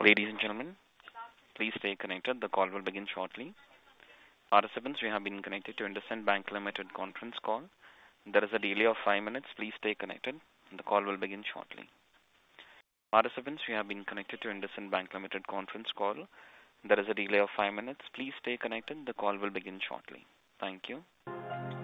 Ladies and gentlemen, please stay connected. The call will begin shortly. Participants, you have been connected to IndusInd Bank Limited conference call. There is a delay of five minutes. Please stay connected. The call will begin shortly. Thank you.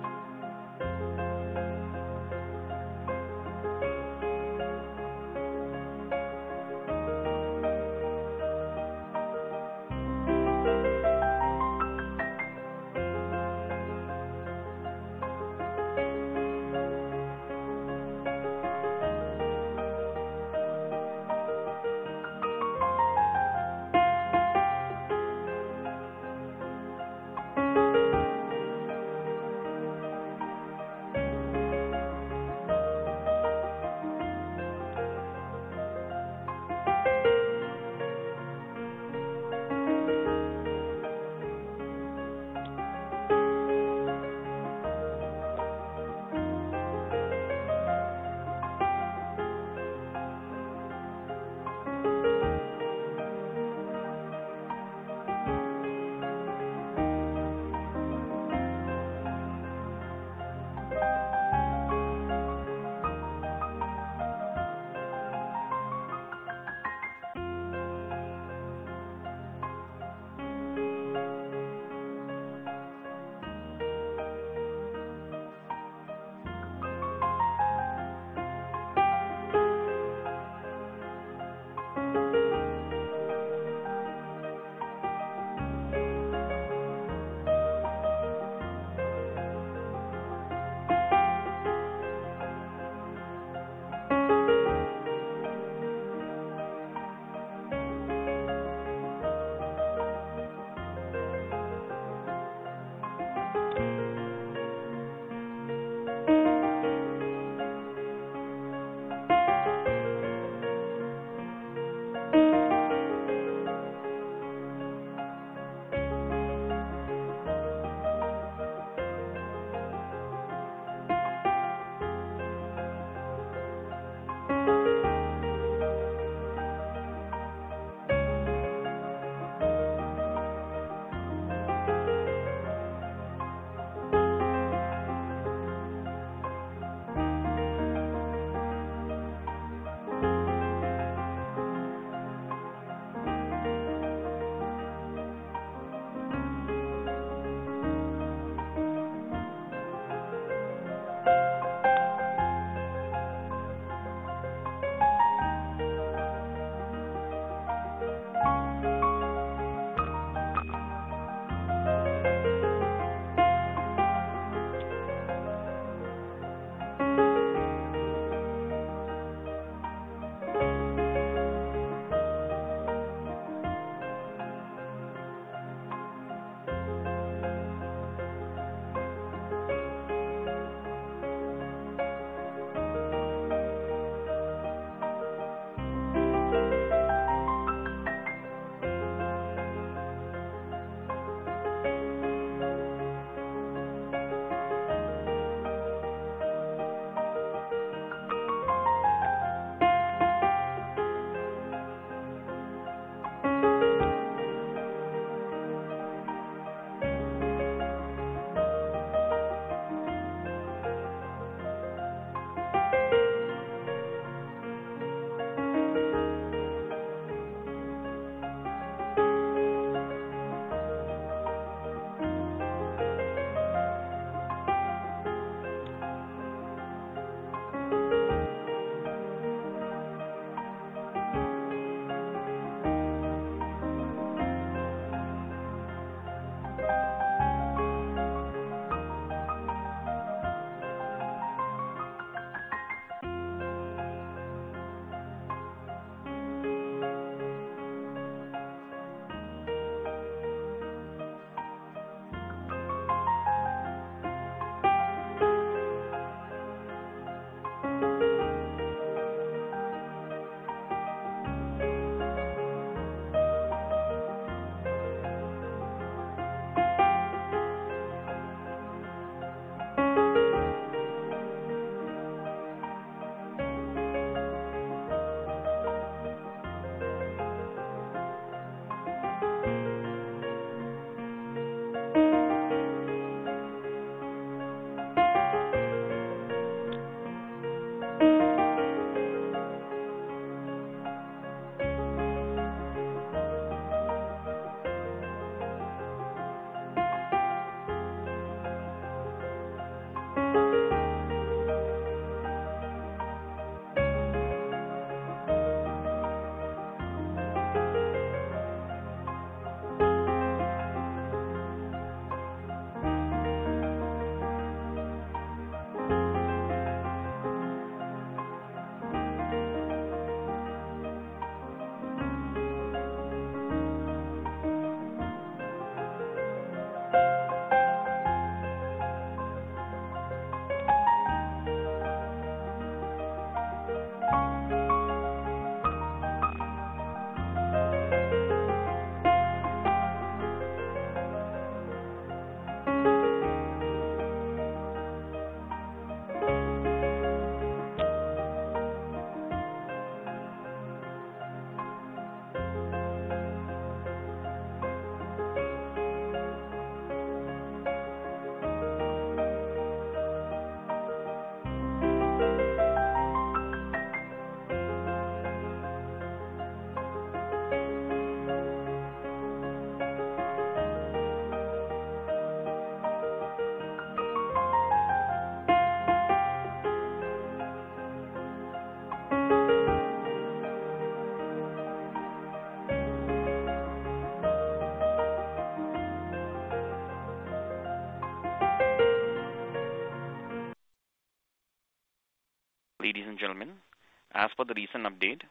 Ladies and gentlemen, as for the recent update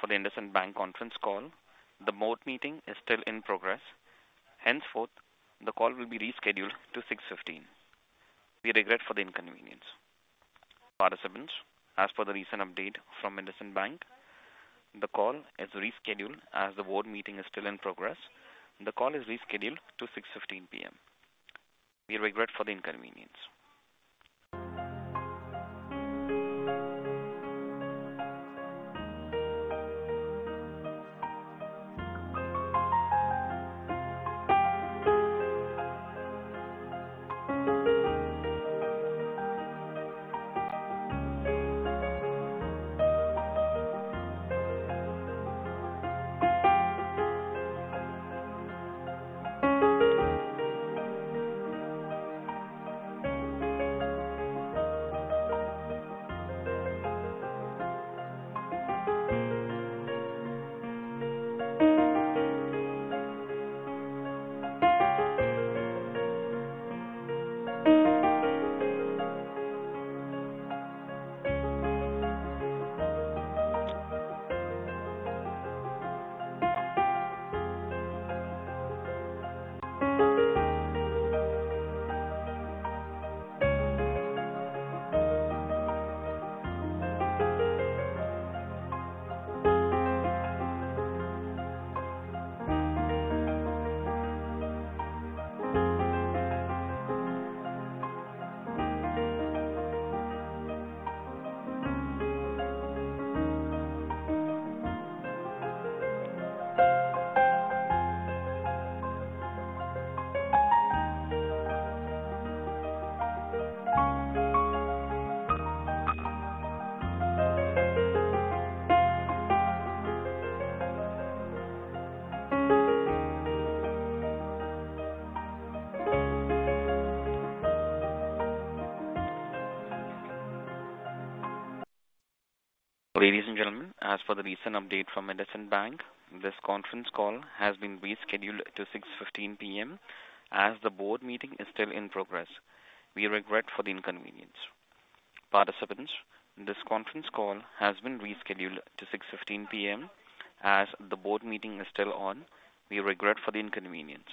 for the IndusInd Bank conference call, the board meeting is still in progress. Henceforth, the call will be rescheduled to 6:15 P.M. We regret for the inconvenience. Participants, as for the recent update from IndusInd Bank, the call is rescheduled as the board meeting is still in progress. The call is rescheduled to 6:15 P.M. We regret for the inconvenience. Ladies and gentlemen, as for the recent update from IndusInd Bank, this conference call has been rescheduled to 6:15 P.M. as the board meeting is still in progress. We regret for the inconvenience. Participants, this conference call has been rescheduled to 6:15 P.M. as the board meeting is still on. We regret for the inconvenience.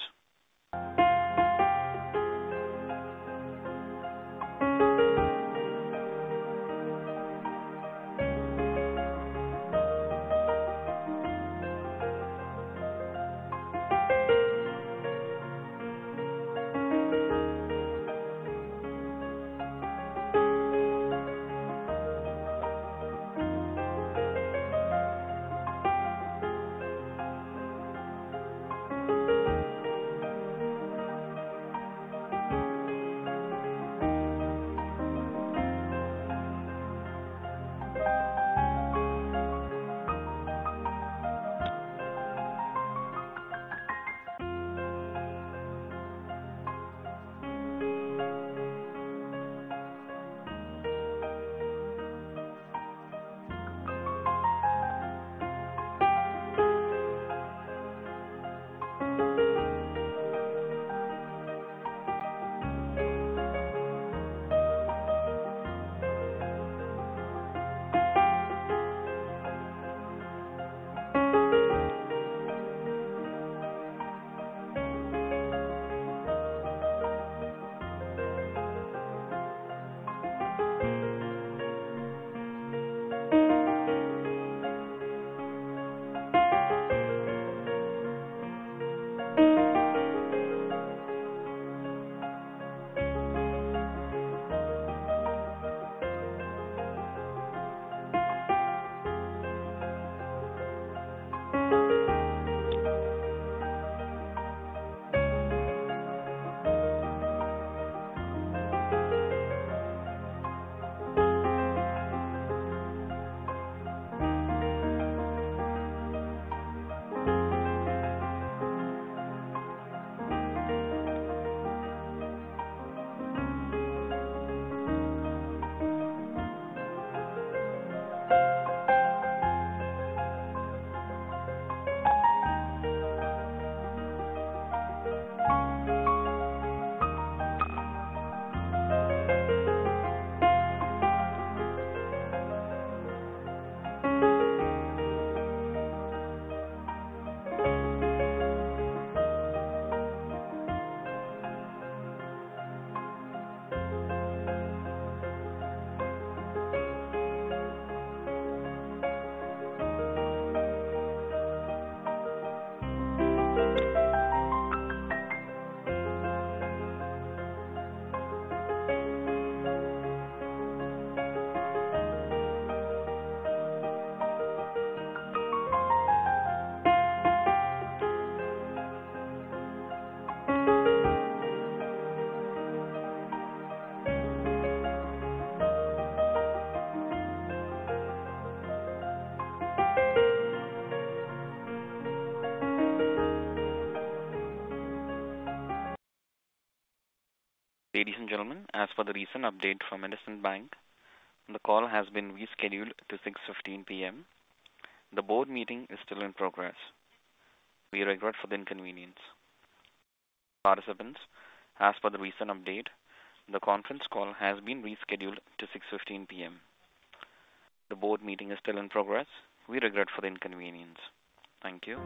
Ladies and gentlemen, as for the recent update from IndusInd Bank, the call has been rescheduled to 6:15 P.M. The board meeting is still in progress. We regret for the inconvenience. Participants, as for the recent update, the conference call has been rescheduled to 6:15 P.M. The board meeting is still in progress. We regret for the inconvenience. Thank you.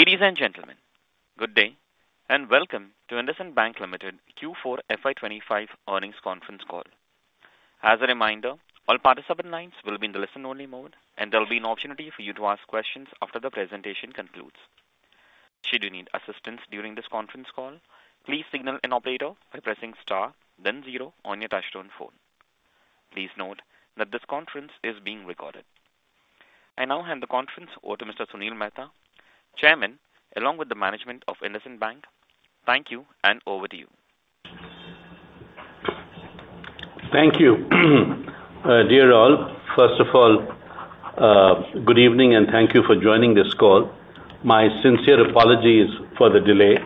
Ladies and gentlemen, good day and welcome to IndusInd Bank Limited Q4 FY25 earnings conference call. As a reminder, all participant lines will be in the listen-only mode, and there will be an opportunity for you to ask questions after the presentation concludes. Should you need assistance during this conference call, please signal an operator by pressing star, then zero on your touch-tone phone. Please note that this conference is being recorded. I now hand the conference over to Mr. Sunil Mehta, Chairman, along with the management of IndusInd Bank. Thank you, and over to you. Thank you, dear all. First of all, good evening, and thank you for joining this call. My sincere apologies for the delay,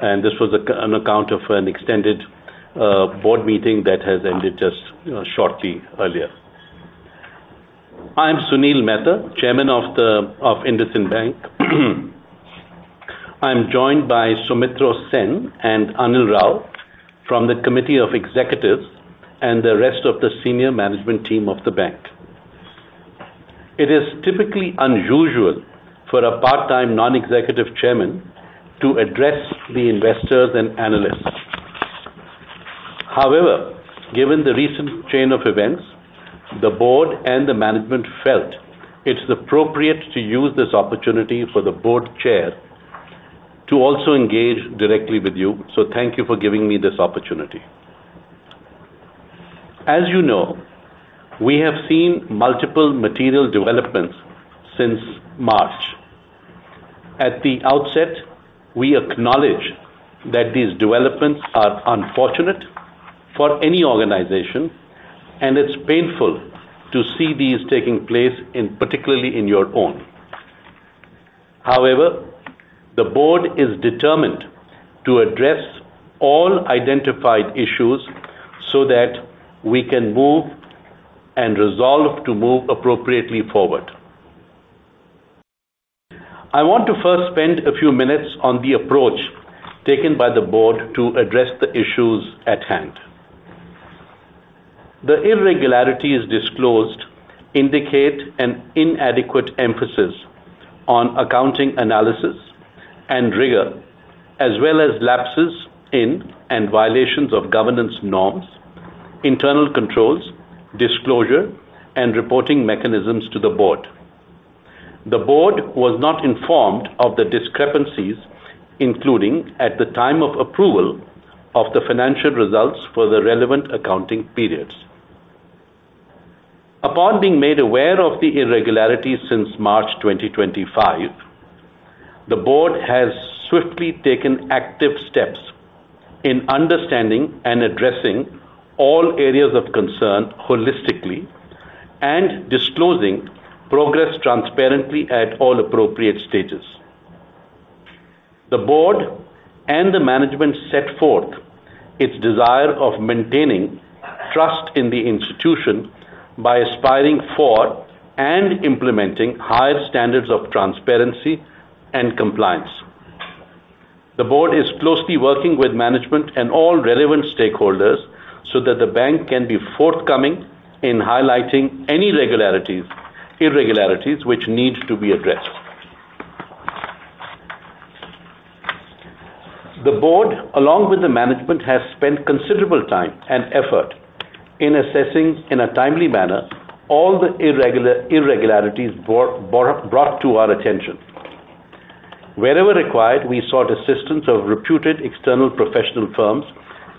and this was on account of an extended board meeting that has ended just shortly earlier. I'm Sunil Mehta, Chairman of IndusInd Bank. I'm joined by Soumitra Sen and Anil Rao from the committee of executives and the rest of the senior management team of the bank. It is typically unusual for a part-time non-executive Chairman to address the investors and analysts. However, given the recent chain of events, the board and the management felt it's appropriate to use this opportunity for the board chair to also engage directly with you. Thank you for giving me this opportunity. As you know, we have seen multiple material developments since March. At the outset, we acknowledge that these developments are unfortunate for any organization, and it's painful to see these taking place, particularly in your own. However, the board is determined to address all identified issues so that we can move and resolve to move appropriately forward. I want to first spend a few minutes on the approach taken by the board to address the issues at hand. The irregularities disclosed indicate an inadequate emphasis on accounting analysis and rigor, as well as lapses in and violations of governance norms, internal controls, disclosure, and reporting mechanisms to the board. The board was not informed of the discrepancies, including at the time of approval of the financial results for the relevant accounting periods. Upon being made aware of the irregularities since March 2025, the board has swiftly taken active steps in understanding and addressing all areas of concern holistically and disclosing progress transparently at all appropriate stages. The board and the management set forth its desire of maintaining trust in the institution by aspiring for and implementing higher standards of transparency and compliance. The board is closely working with management and all relevant stakeholders so that the bank can be forthcoming in highlighting any irregularities which need to be addressed. The board, along with the management, has spent considerable time and effort in assessing in a timely manner all the irregularities brought to our attention. Wherever required, we sought assistance of reputed external professional firms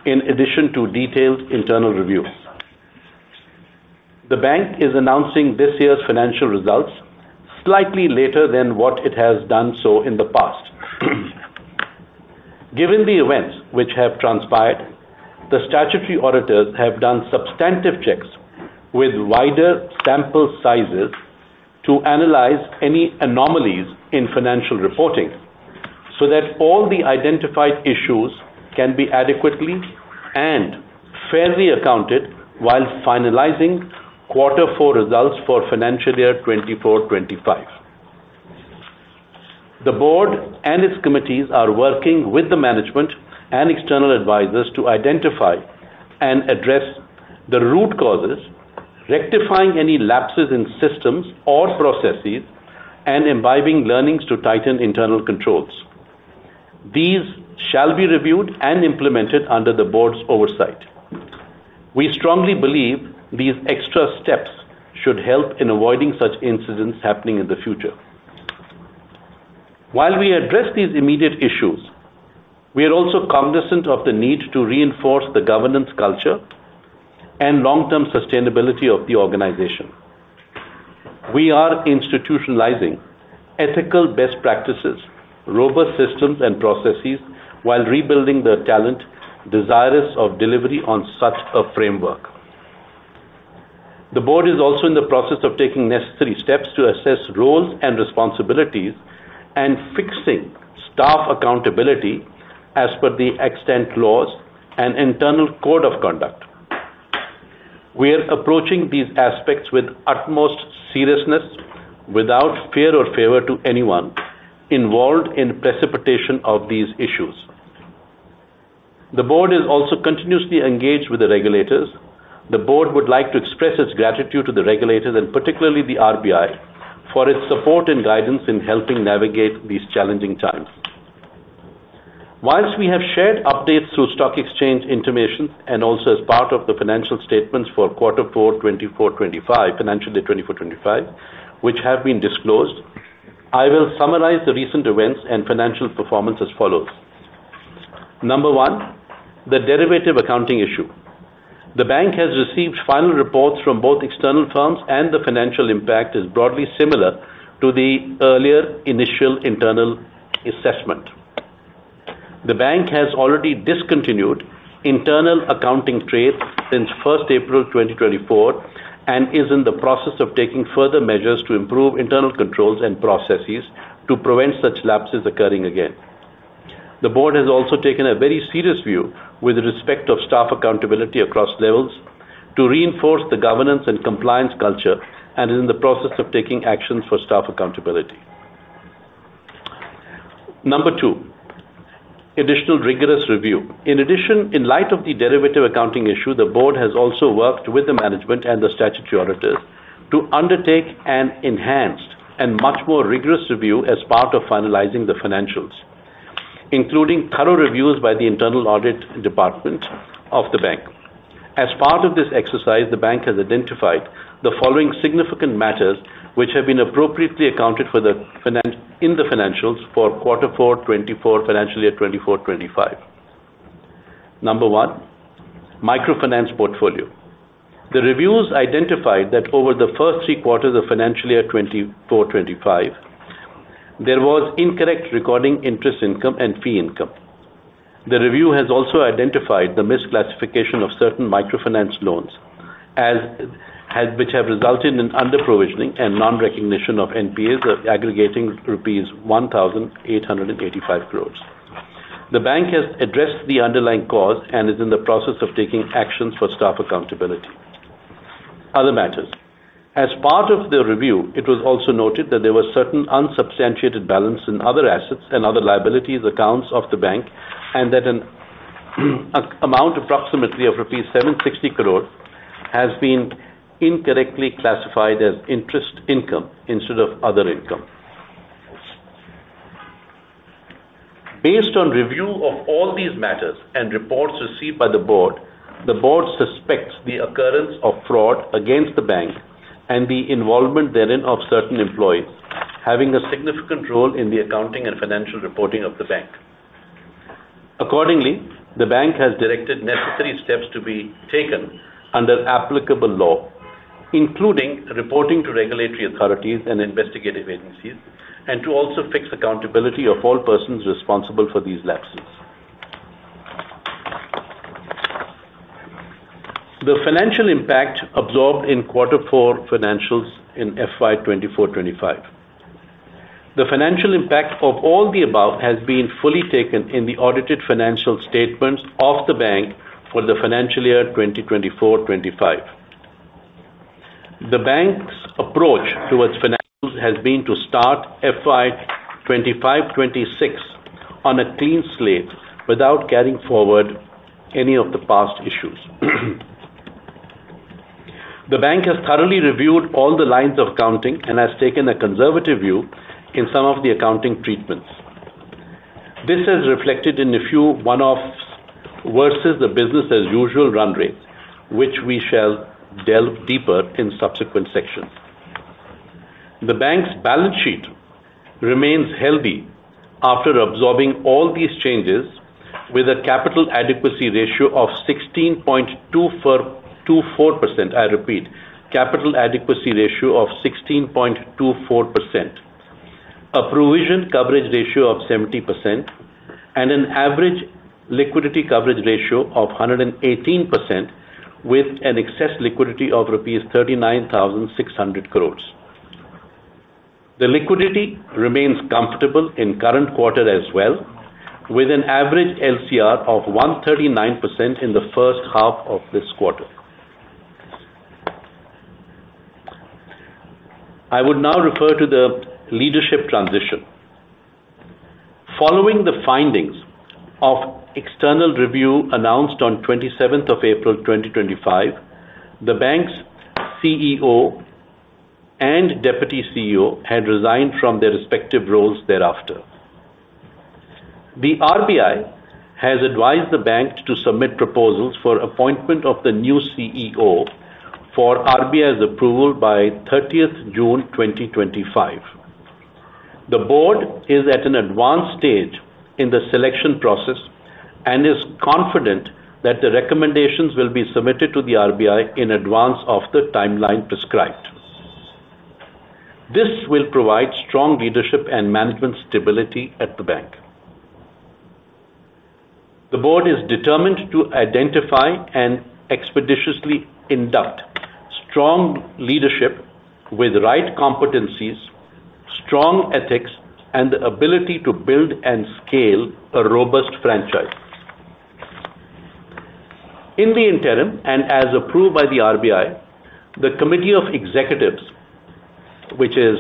in addition to detailed internal reviews. The bank is announcing this year's financial results slightly later than what it has done so in the past. Given the events which have transpired, the statutory auditors have done substantive checks with wider sample sizes to analyze any anomalies in financial reporting so that all the identified issues can be adequately and fairly accounted while finalizing Q4 results for financial year 2024-2025. The board and its committees are working with the management and external advisors to identify and address the root causes, rectifying any lapses in systems or processes, and imbibing learnings to tighten internal controls. These shall be reviewed and implemented under the board's oversight. We strongly believe these extra steps should help in avoiding such incidents happening in the future. While we address these immediate issues, we are also cognizant of the need to reinforce the governance culture and long-term sustainability of the organization. We are institutionalizing ethical best practices, robust systems, and processes while rebuilding the talent desirous of delivery on such a framework. The Board is also in the process of taking necessary steps to assess roles and responsibilities and fixing staff accountability as per the extant laws and internal code of conduct. We are approaching these aspects with utmost seriousness without fear or favor to anyone involved in precipitation of these issues. The Board is also continuously engaged with the regulators. The Board would like to express its gratitude to the regulators and particularly the RBI for its support and guidance in helping navigate these challenging times. Whilst we have shared updates through stock exchange information and also as part of the financial statements for Q4 2024-2025, financial year 2024-2025, which have been disclosed, I will summarize the recent events and financial performance as follows. Number one, the derivative accounting issue. The bank has received final reports from both external firms, and the financial impact is broadly similar to the earlier initial internal assessment. The bank has already discontinued internal accounting trade since 1st April 2024 and is in the process of taking further measures to improve internal controls and processes to prevent such lapses occurring again. The board has also taken a very serious view with respect to staff accountability across levels to reinforce the governance and compliance culture and is in the process of taking actions for staff accountability. Number two, additional rigorous review. In addition, in light of the derivative accounting issue, the board has also worked with the management and the statutory auditors to undertake an enhanced and much more rigorous review as part of finalizing the financials, including thorough reviews by the internal audit department of the bank. As part of this exercise, the bank has identified the following significant matters which have been appropriately accounted for in the financials for Q4 2024, financial year 2024-2025. Number one, microfinance portfolio. The reviews identified that over the first three quarters of financial year 2024-2025, there was incorrect recording of interest income and fee income. The review has also identified the misclassification of certain microfinance loans, which have resulted in under-provisioning and non-recognition of NPAs aggregating rupees 1,885 crore. The bank has addressed the underlying cause and is in the process of taking actions for staff accountability. Other matters. As part of the review, it was also noted that there were certain unsubstantiated balances in other assets and other liabilities accounts of the bank and that an amount approximately of rupees 760 crore has been incorrectly classified as interest income instead of other income. Based on review of all these matters and reports received by the board, the board suspects the occurrence of fraud against the bank and the involvement therein of certain employees having a significant role in the accounting and financial reporting of the bank. Accordingly, the bank has directed necessary steps to be taken under applicable law, including reporting to regulatory authorities and investigative agencies and to also fix accountability of all persons responsible for these lapses. The financial impact absorbed in Q4 financials in FY 2024-2025. The financial impact of all the above has been fully taken in the audited financial statements of the bank for the financial year 2024-2025. The bank's approach towards financials has been to start FY2025-2026 on a clean slate without carrying forward any of the past issues. The bank has thoroughly reviewed all the lines of accounting and has taken a conservative view in some of the accounting treatments. This has reflected in a few one-offs versus the business-as-usual run rates, which we shall delve deeper in subsequent sections. The bank's balance sheet remains healthy after absorbing all these changes with a capital adequacy ratio of 16.24%. I repeat, capital adequacy ratio of 16.24%, a provision coverage ratio of 70%, and an average liquidity coverage ratio of 118% with an excess liquidity of 39,600 crore rupees. The liquidity remains comfortable in current quarter as well, with an average LCR of 139% in the first half of this quarter. I would now refer to the leadership transition. Following the findings of external review announced on 27th April 2025, the bank's CEO and Deputy CEO had resigned from their respective roles thereafter. The RBI has advised the bank to submit proposals for appointment of the new CEO for RBI's approval by 30th June 2025. The board is at an advanced stage in the selection process and is confident that the recommendations will be submitted to the RBI in advance of the timeline prescribed. This will provide strong leadership and management stability at the bank. The board is determined to identify and expeditiously induct strong leadership with right competencies, strong ethics, and the ability to build and scale a robust franchise. In the interim and as approved by the RBI, the committee of executives, which is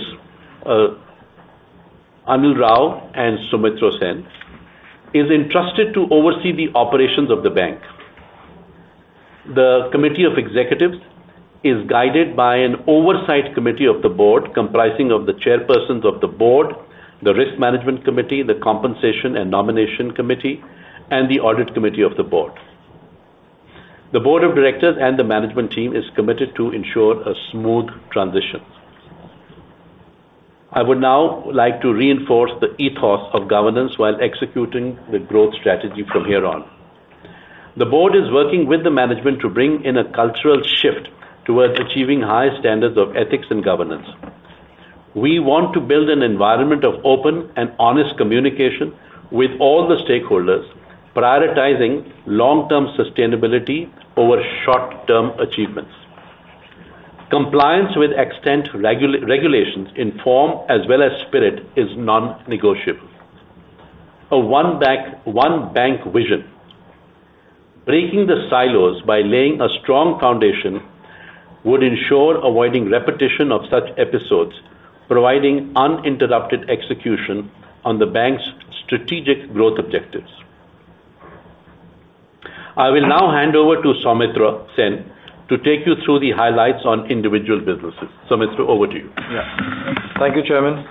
Anil Rao and Soumitra Sen, is entrusted to oversee the operations of the bank. The committee of executives is guided by an oversight committee of the board comprising of the chairpersons of the board, the risk management committee, the compensation and nomination committee, and the audit committee of the board. The board of directors and the management team is committed to ensure a smooth transition. I would now like to reinforce the ethos of governance while executing the growth strategy from here on. The board is working with the management to bring in a cultural shift towards achieving high standards of ethics and governance. We want to build an environment of open and honest communication with all the stakeholders, prioritizing long-term sustainability over short-term achievements. Compliance with extant regulations in form as well as spirit is non-negotiable. A one-bank vision. Breaking the silos by laying a strong foundation would ensure avoiding repetition of such episodes, providing uninterrupted execution on the bank's strategic growth objectives. I will now hand over to Soumitra Sen to take you through the highlights on individual businesses. Soumitra, over to you. Yeah. Thank you, Chairman.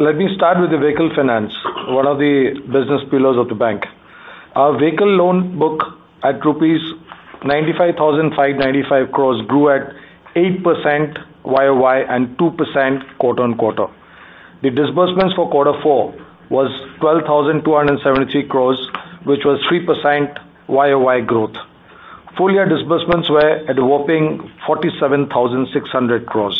Let me start with the vehicle finance, one of the business pillars of the bank. Our vehicle loan book at INR 95,595 crore grew at 8% YoY and 2% quarter on quarter. The disbursements for quarter four was 12,273 crore, which was 3% YoY growth. Full year disbursements were at a whopping 47,600 crore.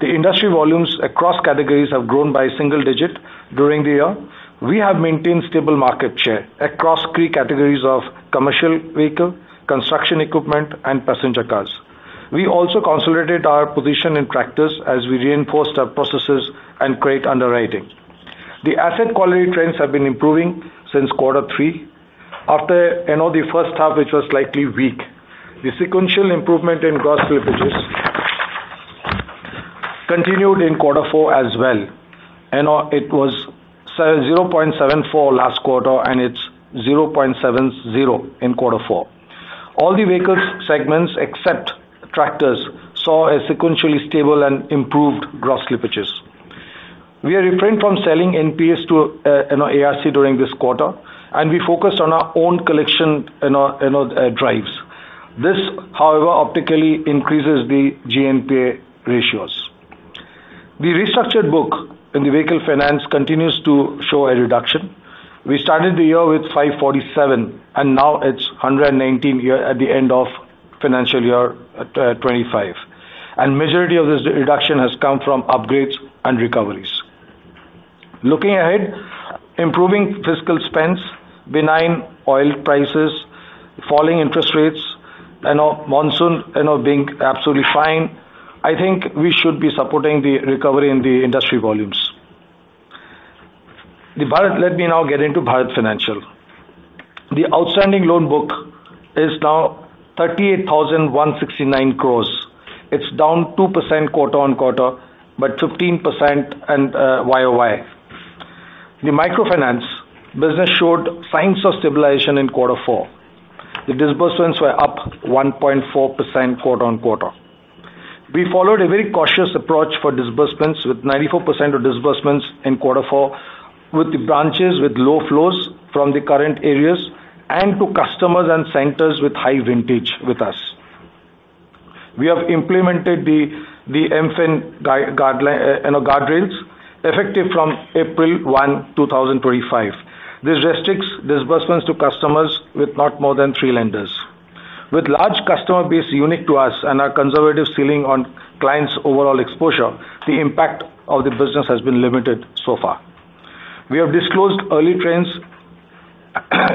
The industry volumes across categories have grown by a single digit during the year. We have maintained stable market share across three categories of commercial vehicle, construction equipment, and passenger cars. We also consolidated our position in tractors as we reinforced our processes and credit underwriting. The asset quality trends have been improving since quarter three after the first half, which was slightly weak. The sequential improvement in gross slippages continued in quarter four as well. It was 0.74 last quarter and it's 0.70 in quarter four. All the vehicle segments except tractors saw a sequentially stable and improved gross slippages. We refrained from selling NPAs to ARC during this quarter, and we focused on our own collection drives. This, however, optically increases the GNPA ratios. The restructured book in the vehicle finance continues to show a reduction. We started the year with 547 crore, and now it's 119 crore at the end of financial year 2025. The majority of this reduction has come from upgrades and recoveries. Looking ahead, improving fiscal spends, benign oil prices, falling interest rates, and monsoon being absolutely fine, I think we should be supporting the recovery in the industry volumes. Let me now get into Bharat Financial. The outstanding loan book is now 38,169 crore. It's down 2% quarter on quarter, but 15% YoY. The microfinance business showed signs of stabilization in quarter four. The disbursements were up 1.4% quarter on quarter. We followed a very cautious approach for disbursements with 94% of disbursements in quarter four, with the branches with low flows from the current areas and to customers and centers with high vintage with us. We have implemented the MFIN guardrails effective from April 1, 2025. This restricts disbursements to customers with not more than three lenders. With large customer base unique to us and our conservative ceiling on clients' overall exposure, the impact of the business has been limited so far. We have disclosed early trends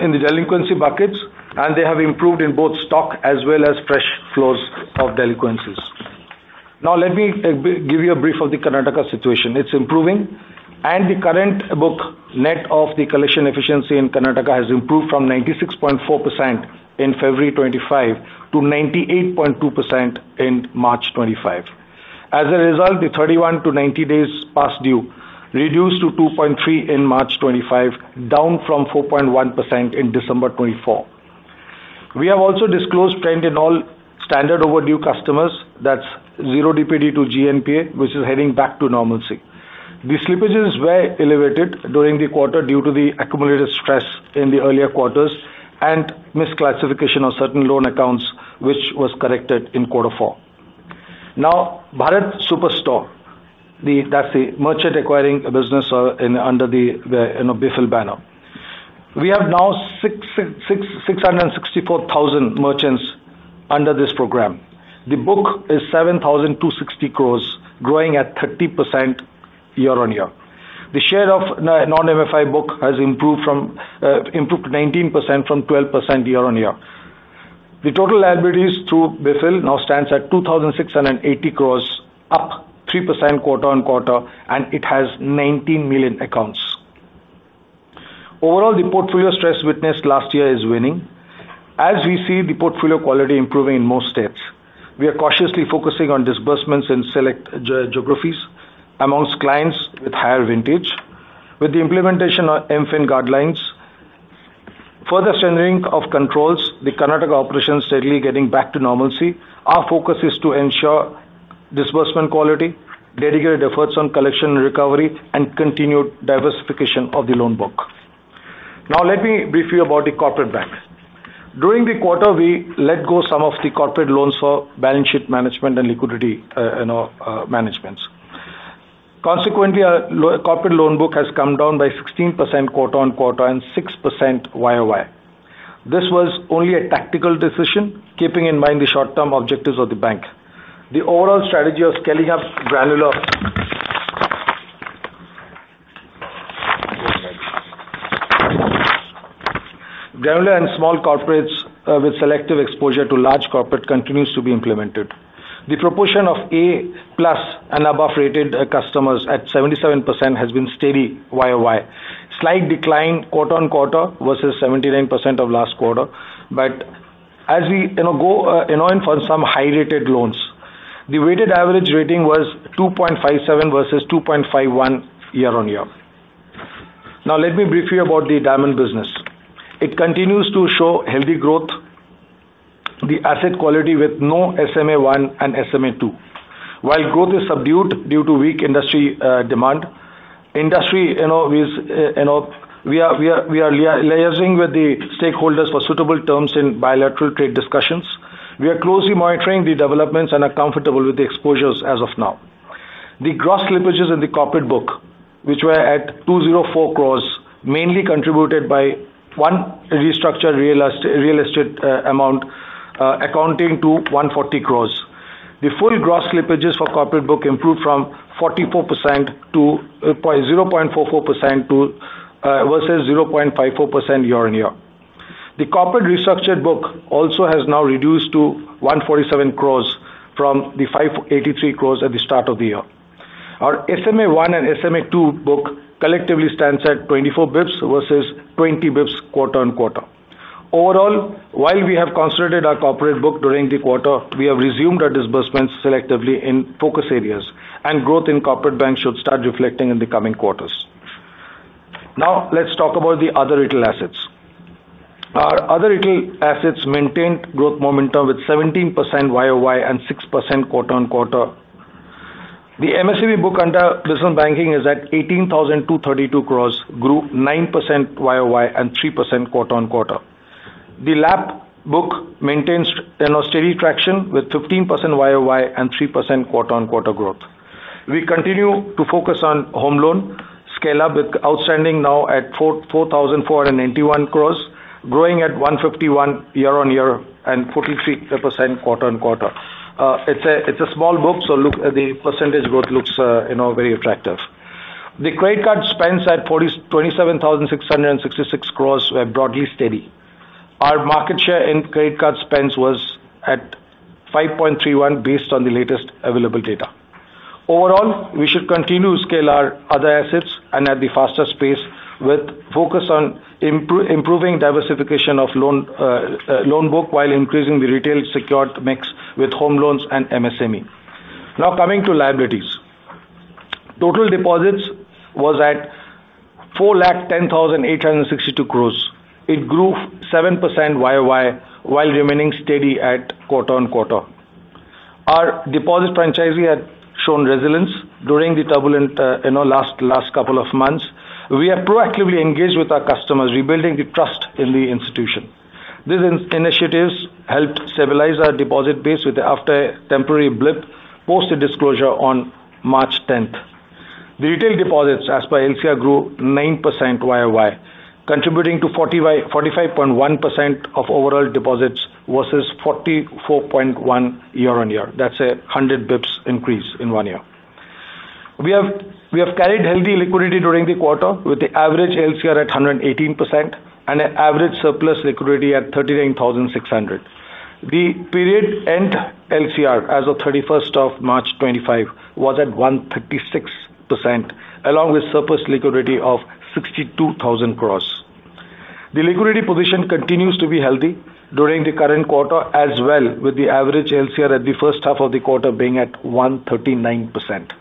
in the delinquency buckets, and they have improved in both stock as well as fresh flows of delinquencies. Now, let me give you a brief of the Karnataka situation. It's improving, and the current book net of the collection efficiency in Karnataka has improved from 96.4% in February 2025 to 98.2% in March 2025. As a result, the 31 to 90 days past due reduced to 2.3% in March 2025, down from 4.1% in December 2024. We have also disclosed trend in all standard overdue customers, that's zero DPD to GNPA, which is heading back to normalcy. The slippages were elevated during the quarter due to the accumulated stress in the earlier quarters and misclassification of certain loan accounts, which was corrected in quarter four. Now, Bharat Superstore, that's the merchant acquiring business under the BFIL banner. We have now 664,000 merchants under this program. The book is 7,260 crore, growing at 30% year on year. The share of non-MFI book has improved to 19% from 12% year on year. The total liabilities through BFIL now stands at 2,680 crore rupees, up 3% quarter on quarter, and it has 19 million accounts. Overall, the portfolio stress witnessed last year is waning. As we see the portfolio quality improving in most states, we are cautiously focusing on disbursements in select geographies amongst clients with higher vintage. With the implementation of MFIN guidelines, further strengthening of controls, the Karnataka operations steadily getting back to normalcy. Our focus is to ensure disbursement quality, dedicated efforts on collection recovery, and continued diversification of the loan book. Now, let me brief you about the corporate bank. During the quarter, we let go some of the corporate loans for balance sheet management and liquidity management. Consequently, our corporate loan book has come down by 16% quarter on quarter and 6% YoY. This was only a tactical decision, keeping in mind the short-term objectives of the bank. The overall strategy of scaling up granular and small corporates with selective exposure to large corporate continues to be implemented. The proportion of A-plus and above rated customers at 77% has been steady YoY. Slight decline quarter on quarter versus 79% of last quarter, but as we go in for some high-rated loans, the weighted average rating was 2.57 versus 2.51 year on year. Now, let me brief you about the diamond business. It continues to show healthy growth, the asset quality with no SMA 1 and SMA 2. While growth is subdued due to weak industry demand, industry we are liaising with the stakeholders for suitable terms in bilateral trade discussions. We are closely monitoring the developments and are comfortable with the exposures as of now. The gross slippages in the corporate book, which were at 204 crore, mainly contributed by one restructured real estate amount accounting to 140 crore. The full gross slippages for corporate book improved from 44% to 0.44% versus 0.54% year on year. The corporate restructured book also has now reduced to 147 crore from 583 crore at the start of the year. Our SMA 1 and SMA 2 book collectively stands at 24 basis points versus 20 basis points quarter on quarter. Overall, while we have consolidated our corporate book during the quarter, we have resumed our disbursements selectively in focus areas, and growth in corporate bank should start reflecting in the coming quarters. Now, let's talk about the other retail assets. Our other retail assets maintained growth momentum with 17% YoY and 6% quarter on quarter. The MSEB book under business banking is at 18,232 crore, grew 9% yYoY and 3% quarter on quarter. The LAP book maintains steady traction with 15% YoY and 3% quarter on quarter growth. We continue to focus on home loan scale-up with outstanding now at 4,491 crore, growing at 151% year on year and 43% quarter on quarter. It's a small book, so look, the percentage growth looks very attractive. The credit card spends at 27,666 crore were broadly steady. Our market share in credit card spends was at 5.31% based on the latest available data. Overall, we should continue to scale our other assets and at the fastest pace with focus on improving diversification of loan book while increasing the retail secured mix with home loans and MSME. Now coming to liabilities, total deposits was at 410,862 crore. It grew 7% YoY while remaining steady at quarter on quarter. Our deposit franchise had shown resilience during the turbulent last couple of months. We are proactively engaged with our customers, rebuilding the trust in the institution. These initiatives helped stabilize our deposit base with the after-temporary blip post the disclosure on March 10th. The retail deposits as per LCR grew 9% year over year, contributing to 45.1% of overall deposits versus 44.1% year on year. That's a 100 basis points increase in one year. We have carried healthy liquidity during the quarter with the average LCR at 118% and an average surplus liquidity at 39,600 crore. The period end LCR as of 31st of March 2025 was at 136% along with surplus liquidity of 62,000 crore. The liquidity position continues to be healthy during the current quarter as well, with the average LCR at the first half of the quarter being at 139%.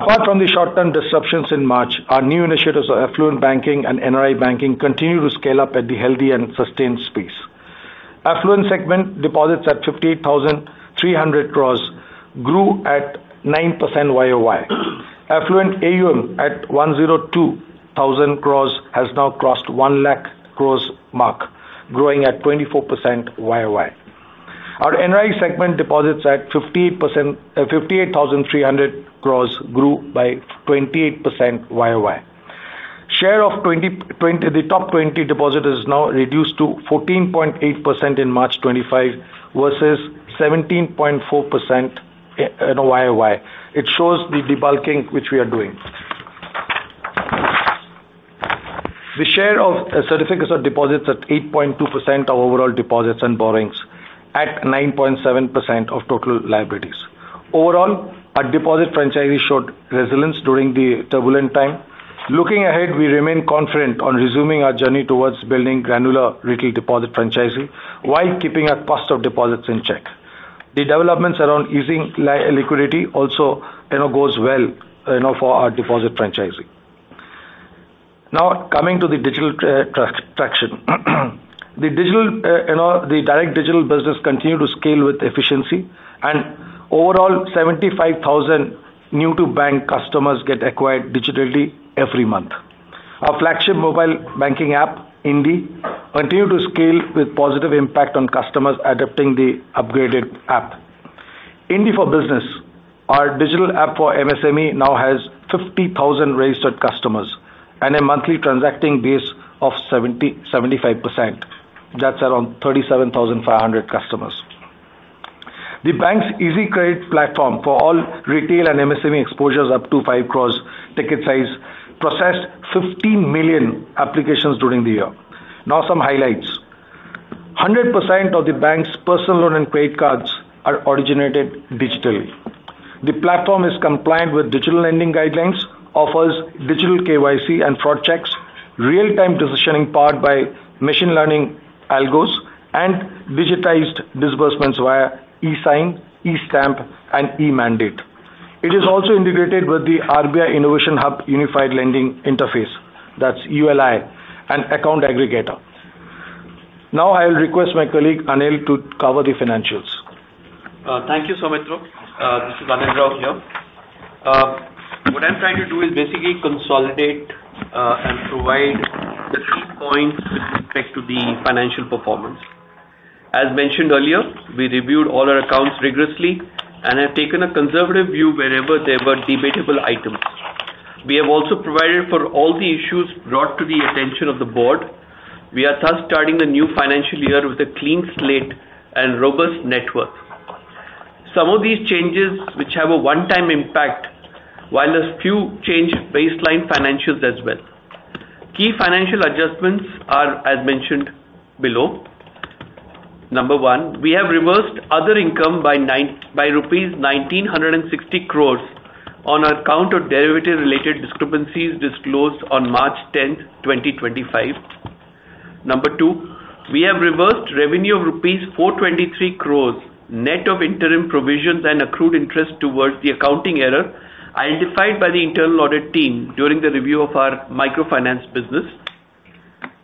Apart from the short-term disruptions in March, our new initiatives of affluent banking and NRI banking continue to scale up at the healthy and sustained pace. Affluent segment deposits at 58,300 crore grew at 9% year over year. Affluent AUM at 1,02,000 crore has now crossed the 1 lakh crore mark, growing at 24% YoY. Our NRI segment deposits at 58,300 crore grew by 28% YoY. Share of the top 20 depositors is now reduced to 14.8% in March 2025 versus 17.4% YoY. It shows the debulking which we are doing. The share of certificates of deposit at 8.2% of overall deposits and borrowings at 9.7% of total liabilities. Overall, our deposit franchise showed resilience during the turbulent time. Looking ahead, we remain confident on resuming our journey towards building granular retail deposit franchise while keeping our cost of deposits in check. The developments around easing liquidity also goes well for our deposit franchise. Now, coming to the digital traction, the direct digital business continued to scale with efficiency, and overall, 75,000 new-to-bank customers get acquired digitally every month. Our flagship mobile banking app, INDIE, continued to scale with positive impact on customers adopting the upgraded app. INDIE for Business, our digital app for MSME now has 50,000 registered customers and a monthly transacting base of 75%. That's around 37,500 customers. The bank's easy credit platform for all retail and MSME exposures up to 5 crore ticket size processed 15 million applications during the year. Now, some highlights. 100% of the bank's personal loan and credit cards are originated digitally. The platform is compliant with digital lending guidelines, offers digital KYC and fraud checks, real-time decisioning powered by machine learning algos, and digitized disbursements via e-sign, e-stamp, and e-mandate. It is also integrated with the RBI Innovation Hub Unified Lending Interface, that's ULI, an account aggregator. Now, I will request my colleague Anil to cover the financials. Thank you, Soumitra. This is Anil Rao here. What I'm trying to do is basically consolidate and provide the key points with respect to the financial performance. As mentioned earlier, we reviewed all our accounts rigorously and have taken a conservative view wherever there were debatable items. We have also provided for all the issues brought to the attention of the board. We are thus starting the new financial year with a clean slate and robust network. Some of these changes, which have a one-time impact, while a few change baseline financials as well. Key financial adjustments are, as mentioned below. Number one, we have reversed other income by rupees 1,960 crore on account of derivative-related discrepancies disclosed on March 10th, 2025. Number two, we have reversed revenue of rupees 423 crore net of interim provisions and accrued interest towards the accounting error identified by the internal audit team during the review of our microfinance business.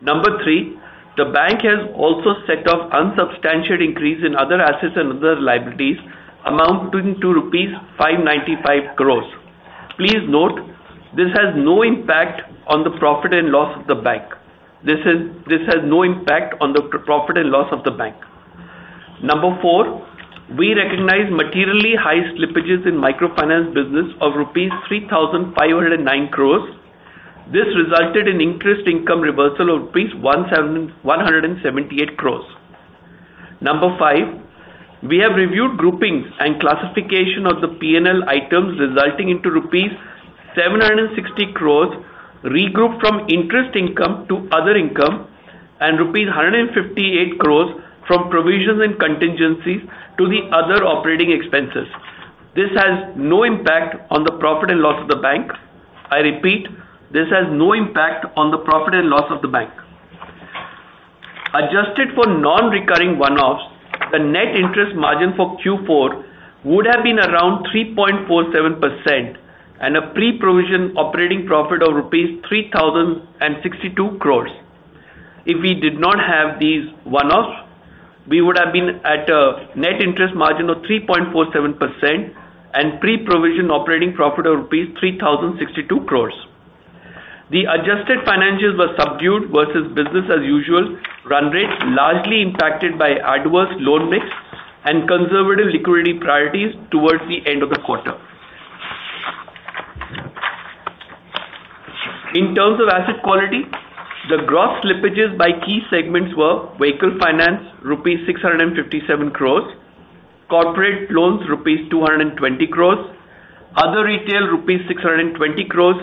Number three, the bank has also set off unsubstantiated increase in other assets and other liabilities amounting to rupees 595 crore. Please note, this has no impact on the profit and loss of the bank. This has no impact on the profit and loss of the bank. Number four, we recognize materially high slippages in microfinance business of INR 3,509 crore. This resulted in interest income reversal of INR 178 crore. Number five, we have reviewed groupings and classification of the P&L items resulting into rupees 760 crore regrouped from interest income to other income and rupees 158 crore from provisions and contingencies to the other operating expenses. This has no impact on the profit and loss of the bank. I repeat, this has no impact on the profit and loss of the bank. Adjusted for non-recurring one-offs, the net interest margin for Q4 would have been around 3.47% and a pre-provision operating profit of rupees 3,062 crore. If we did not have these one-offs, we would have been at a net interest margin of 3.47% and pre-provision operating profit of rupees 3,062 crore. The adjusted financials were subdued versus business as usual run rate, largely impacted by adverse loan mix and conservative liquidity priorities towards the end of the quarter. In terms of asset quality, the gross slippages by key segments were vehicle finance, rupees 657 crore, corporate loans, rupees 220 crore, other retail, rupees 620 crore,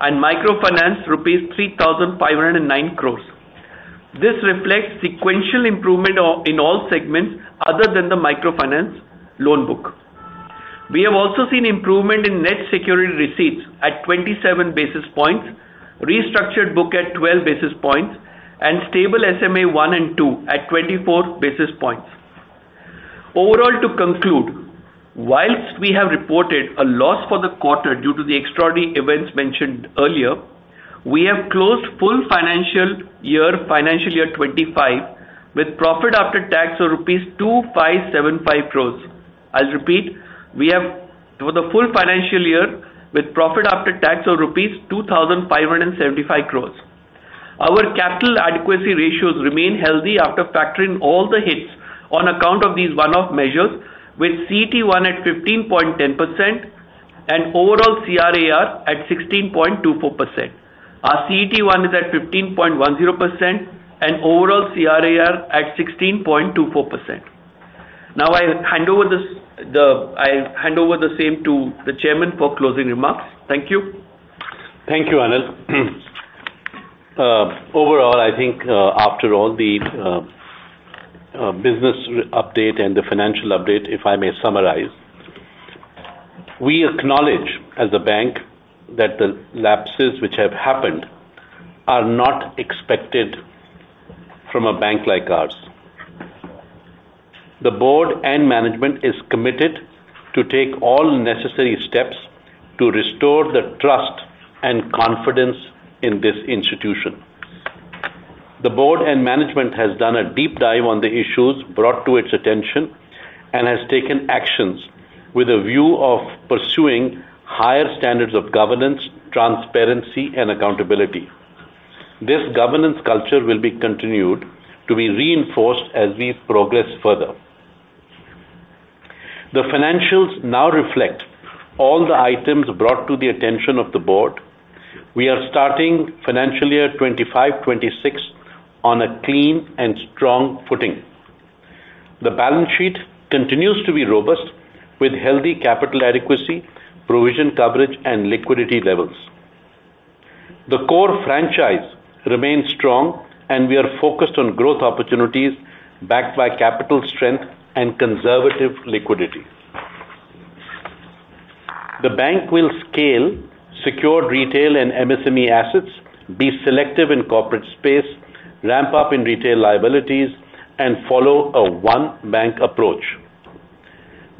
and microfinance, rupees 3,509 crore. This reflects sequential improvement in all segments other than the microfinance loan book. We have also seen improvement in net security receipts at 27 basis points, restructured book at 12 basis points, and stable SMA 1 and 2 at 24 basis points. Overall, to conclude, whilst we have reported a loss for the quarter due to the extraordinary events mentioned earlier, we have closed full financial year 2025 with profit after tax of rupees 2,575 crore. I'll repeat, we have for the full financial year with profit after tax of rupees 2,575 crore. Our capital adequacy ratios remain healthy after factoring all the hits on account of these one-off measures with CET1 at 15.10% and overall CRAR at 16.24%. Our CET1 is at 15.10% and overall CRAR at 16.24%. Now, I hand over the same to the Chairman for closing remarks. Thank you. Thank you, Anil. Overall, I think after all the business update and the financial update, if I may summarize, we acknowledge as a bank that the lapses which have happened are not expected from a bank like ours. The board and management is committed to take all necessary steps to restore the trust and confidence in this institution. The board and management has done a deep dive on the issues brought to its attention and has taken actions with a view of pursuing higher standards of governance, transparency, and accountability. This governance culture will be continued to be reinforced as we progress further. The financials now reflect all the items brought to the attention of the board. We are starting financial year 2025-2026 on a clean and strong footing. The balance sheet continues to be robust with healthy capital adequacy, provision coverage, and liquidity levels. The core franchise remains strong, and we are focused on growth opportunities backed by capital strength and conservative liquidity. The bank will scale secured retail and MSME assets, be selective in corporate space, ramp up in retail liabilities, and follow a one-bank approach.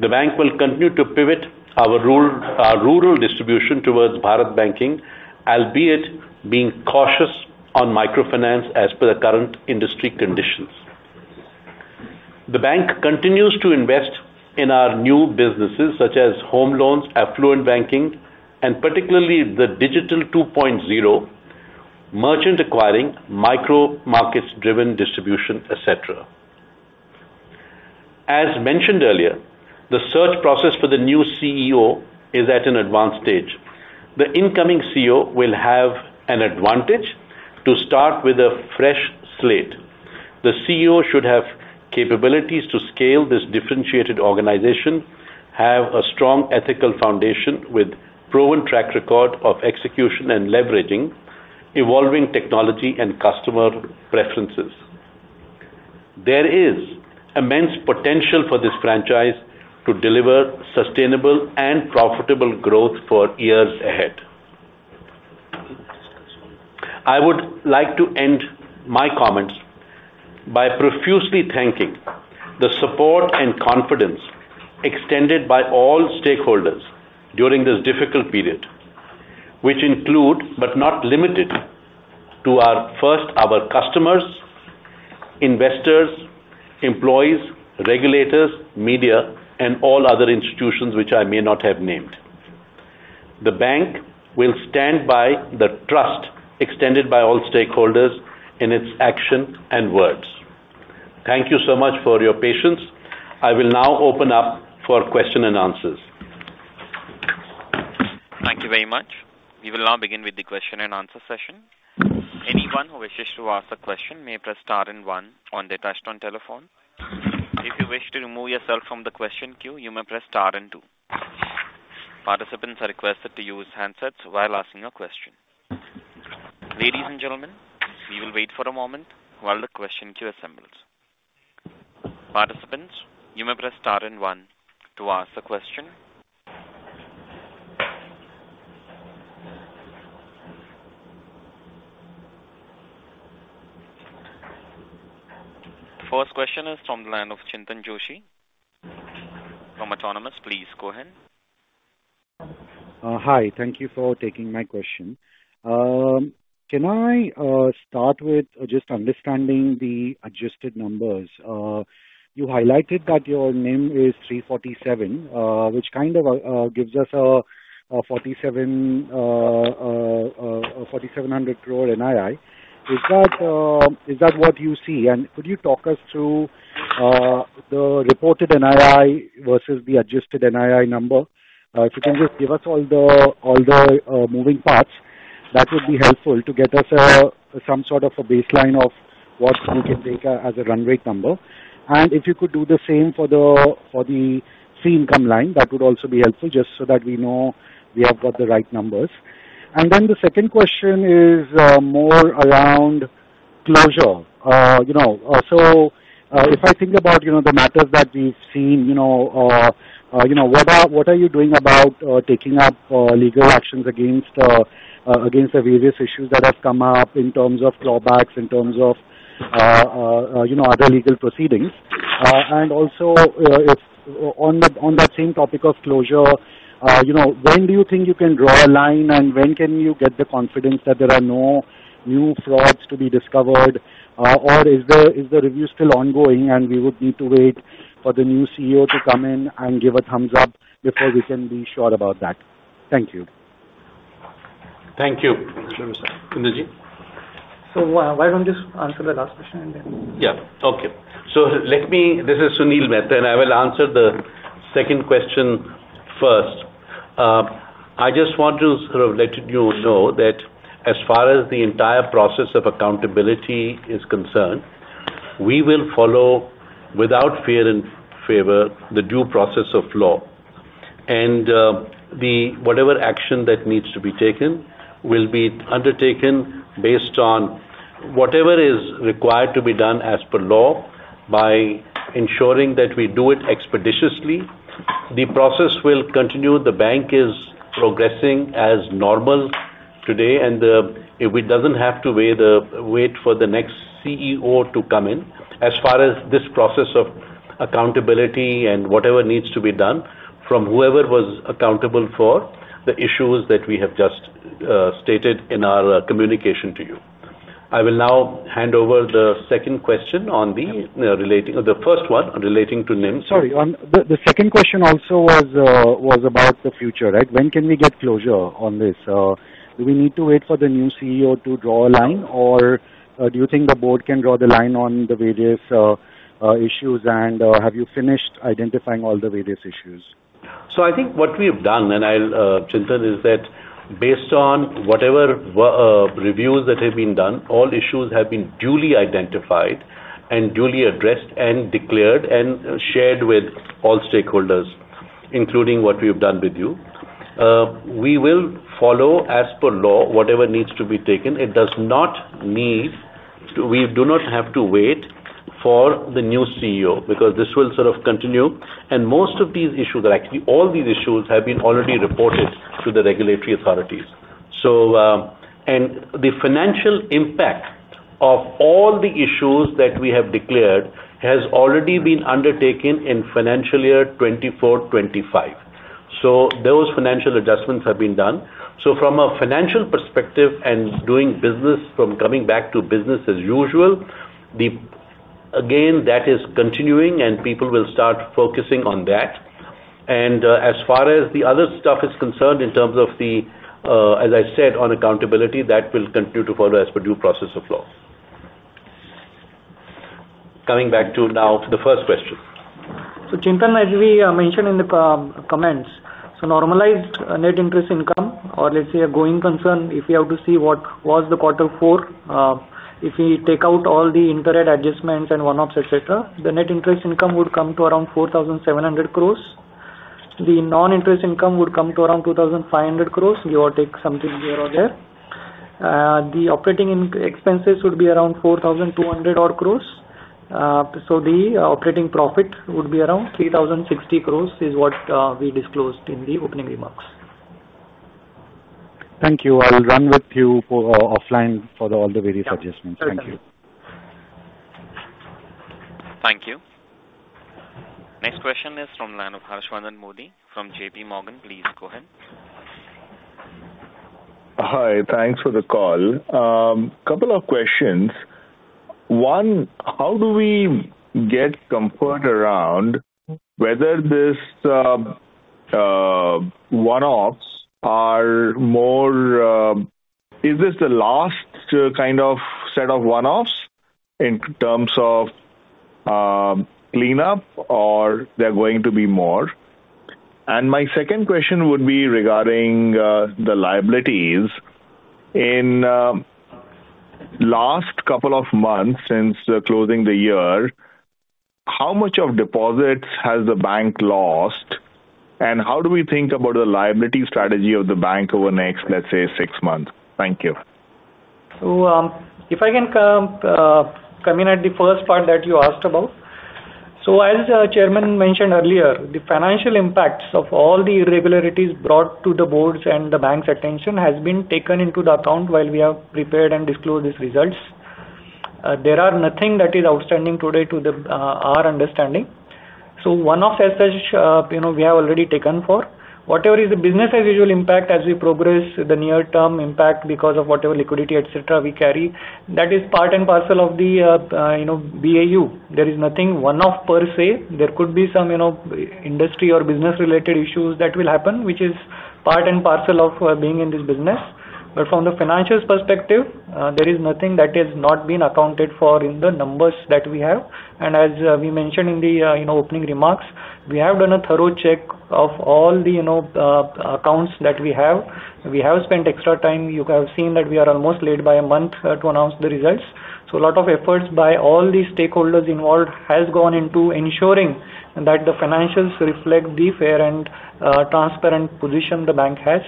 The bank will continue to pivot our rural distribution towards Bharat Banking, albeit being cautious on microfinance as per the current industry conditions. The bank continues to invest in our new businesses such as home loans, affluent banking, and particularly the digital 2.0, merchant acquiring, micro-markets-driven distribution, etc. As mentioned earlier, the search process for the new CEO is at an advanced stage. The incoming CEO will have an advantage to start with a fresh slate. The CEO should have capabilities to scale this differentiated organization, have a strong ethical foundation with proven track record of execution and leveraging evolving technology and customer preferences. There is immense potential for this franchise to deliver sustainable and profitable growth for years ahead. I would like to end my comments by profusely thanking the support and confidence extended by all stakeholders during this difficult period, which include, but not limited to, our first-ever customers, investors, employees, regulators, media, and all other institutions which I may not have named. The bank will stand by the trust extended by all stakeholders in its action and words. Thank you so much for your patience. I will now open up for questions and answers. Thank you very much. We will now begin with the question and answer session. Anyone who wishes to ask a question may press star and one on their touchstone telephone. If you wish to remove yourself from the question queue, you may press star and two. Participants are requested to use handsets while asking a question. Ladies and gentlemen, we will wait for a moment while the question queue assembles. Participants, you may press star and one to ask a question. First question is from the line of Chintan Joshi from Autonomous. Please go ahead. Hi. Thank you for taking my question. Can I start with just understanding the adjusted numbers? You highlighted that your NIM is 3.47%, which kind of gives us a 4,700 crore NII. Is that what you see? Could you talk us through the reported NII versus the adjusted NII number? If you can just give us all the moving parts, that would be helpful to get us some sort of a baseline of what we can take as a run rate number. If you could do the same for the fee income line, that would also be helpful just so that we know we have got the right numbers. The second question is more around closure. If I think about the matters that we have seen, what are you doing about taking up legal actions against the various issues that have come up in terms of clawbacks, in terms of other legal proceedings? Also, on that same topic of closure, when do you think you can draw a line, and when can you get the confidence that there are no new frauds to be discovered? Is the review still ongoing, and would we need to wait for the new CEO to come in and give a thumbs up before we can be sure about that? Thank you. Thank you. Why do you not answer the last question? Yeah. Okay. This is Sunil Mehta, and I will answer the second question first. I just want to sort of let you know that as far as the entire process of accountability is concerned, we will follow, without fear and favor, the due process of law. Whatever action that needs to be taken will be undertaken based on whatever is required to be done as per law by ensuring that we do it expeditiously. The process will continue. The bank is progressing as normal today, and it does not have to wait for the next CEO to come in. As far as this process of accountability and whatever needs to be done from whoever was accountable for the issues that we have just stated in our communication to you, I will now hand over the second question on the first one relating to NIM. Sorry. The second question also was about the future, right? When can we get closure on this? Do we need to wait for the new CEO to draw a line, or do you think the board can draw the line on the various issues, and have you finished identifying all the various issues? I think what we have done, Chintan, is that based on whatever reviews that have been done, all issues have been duly identified and duly addressed and declared and shared with all stakeholders, including what we have done with you. We will follow, as per law, whatever needs to be taken. It does not need to—we do not have to wait for the new CEO because this will sort of continue. Most of these issues are actually—all these issues have been already reported to the regulatory authorities. The financial impact of all the issues that we have declared has already been undertaken in financial year 2024-2025. Those financial adjustments have been done. From a financial perspective and doing business, coming back to business as usual, again, that is continuing, and people will start focusing on that. As far as the other stuff is concerned in terms of the, as I said, on accountability, that will continue to follow as per due process of law. Coming back now to the first question. Chintan, as we mentioned in the comments, normalized net interest income, or let's say a going concern, if we have to see what was the quarter four, if we take out all the interest adjustments and one-offs, etc., the net interest income would come to around 4,700 crore. The non-interest income would come to around 2,500 crore, give or take something here or there. The operating expenses would be around 4,200 crore. The operating profit would be around 3,060 crore is what we disclosed in the opening remarks. Thank you. I'll run with you offline for all the various adjustments. Thank you. Thank you. Next question is from Harsh Wardhan Modi from JPMorgan. Please go ahead. Hi. Thanks for the call. A couple of questions. One, how do we get comfort around whether these one-offs are more—is this the last kind of set of one-offs in terms of cleanup, or are there going to be more? My second question would be regarding the liabilities. In the last couple of months since closing the year, how much of deposits has the bank lost, and how do we think about the liability strategy of the bank over the next, let's say, six months? Thank you. If I can come in at the first part that you asked about. As the Chairman mentioned earlier, the financial impacts of all the irregularities brought to the board's and the bank's attention have been taken into account while we have prepared and disclosed these results. There is nothing that is outstanding today to our understanding. One-offs as such, we have already taken for. Whatever is the business-as-usual impact as we progress, the near-term impact because of whatever liquidity, etc., we carry, that is part and parcel of the BAU. There is nothing one-off per se. There could be some industry or business-related issues that will happen, which is part and parcel of being in this business. From the financials perspective, there is nothing that has not been accounted for in the numbers that we have. As we mentioned in the opening remarks, we have done a thorough check of all the accounts that we have. We have spent extra time. You have seen that we are almost late by a month to announce the results. So a lot of efforts by all the stakeholders involved have gone into ensuring that the financials reflect the fair and transparent position the bank has.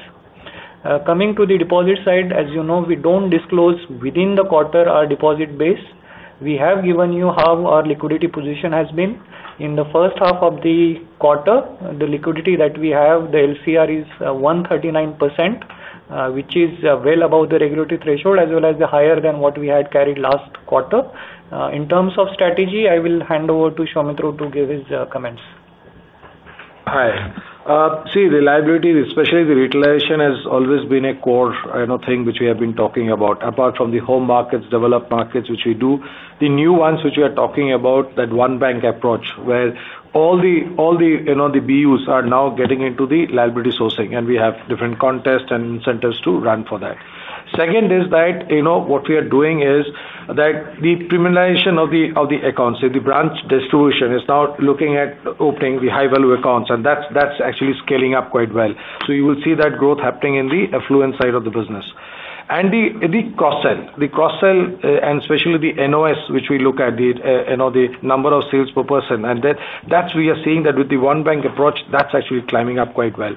Coming to the deposit side, as you know, we do not disclose within the quarter our deposit base. We have given you how our liquidity position has been. In the first half of the quarter, the liquidity that we have, the LCR is 139%, which is well above the regulatory threshold as well as higher than what we had carried last quarter. In terms of strategy, I will hand over to Soumitra to give his comments. Hi. See, reliability, especially the utilization, has always been a core thing which we have been talking about. Apart from the home markets, developed markets, which we do, the new ones which we are talking about, that one-bank approach where all the BUs are now getting into the liability sourcing, and we have different contests and incentives to run for that. Second is that what we are doing is that the criminalization of the accounts, the branch distribution, is now looking at opening the high-value accounts, and that's actually scaling up quite well. You will see that growth happening in the affluent side of the business. The cross-sell, the cross-sell, and especially the NOS, which we look at, the number of sales per person, and that we are seeing that with the one-bank approach, that's actually climbing up quite well.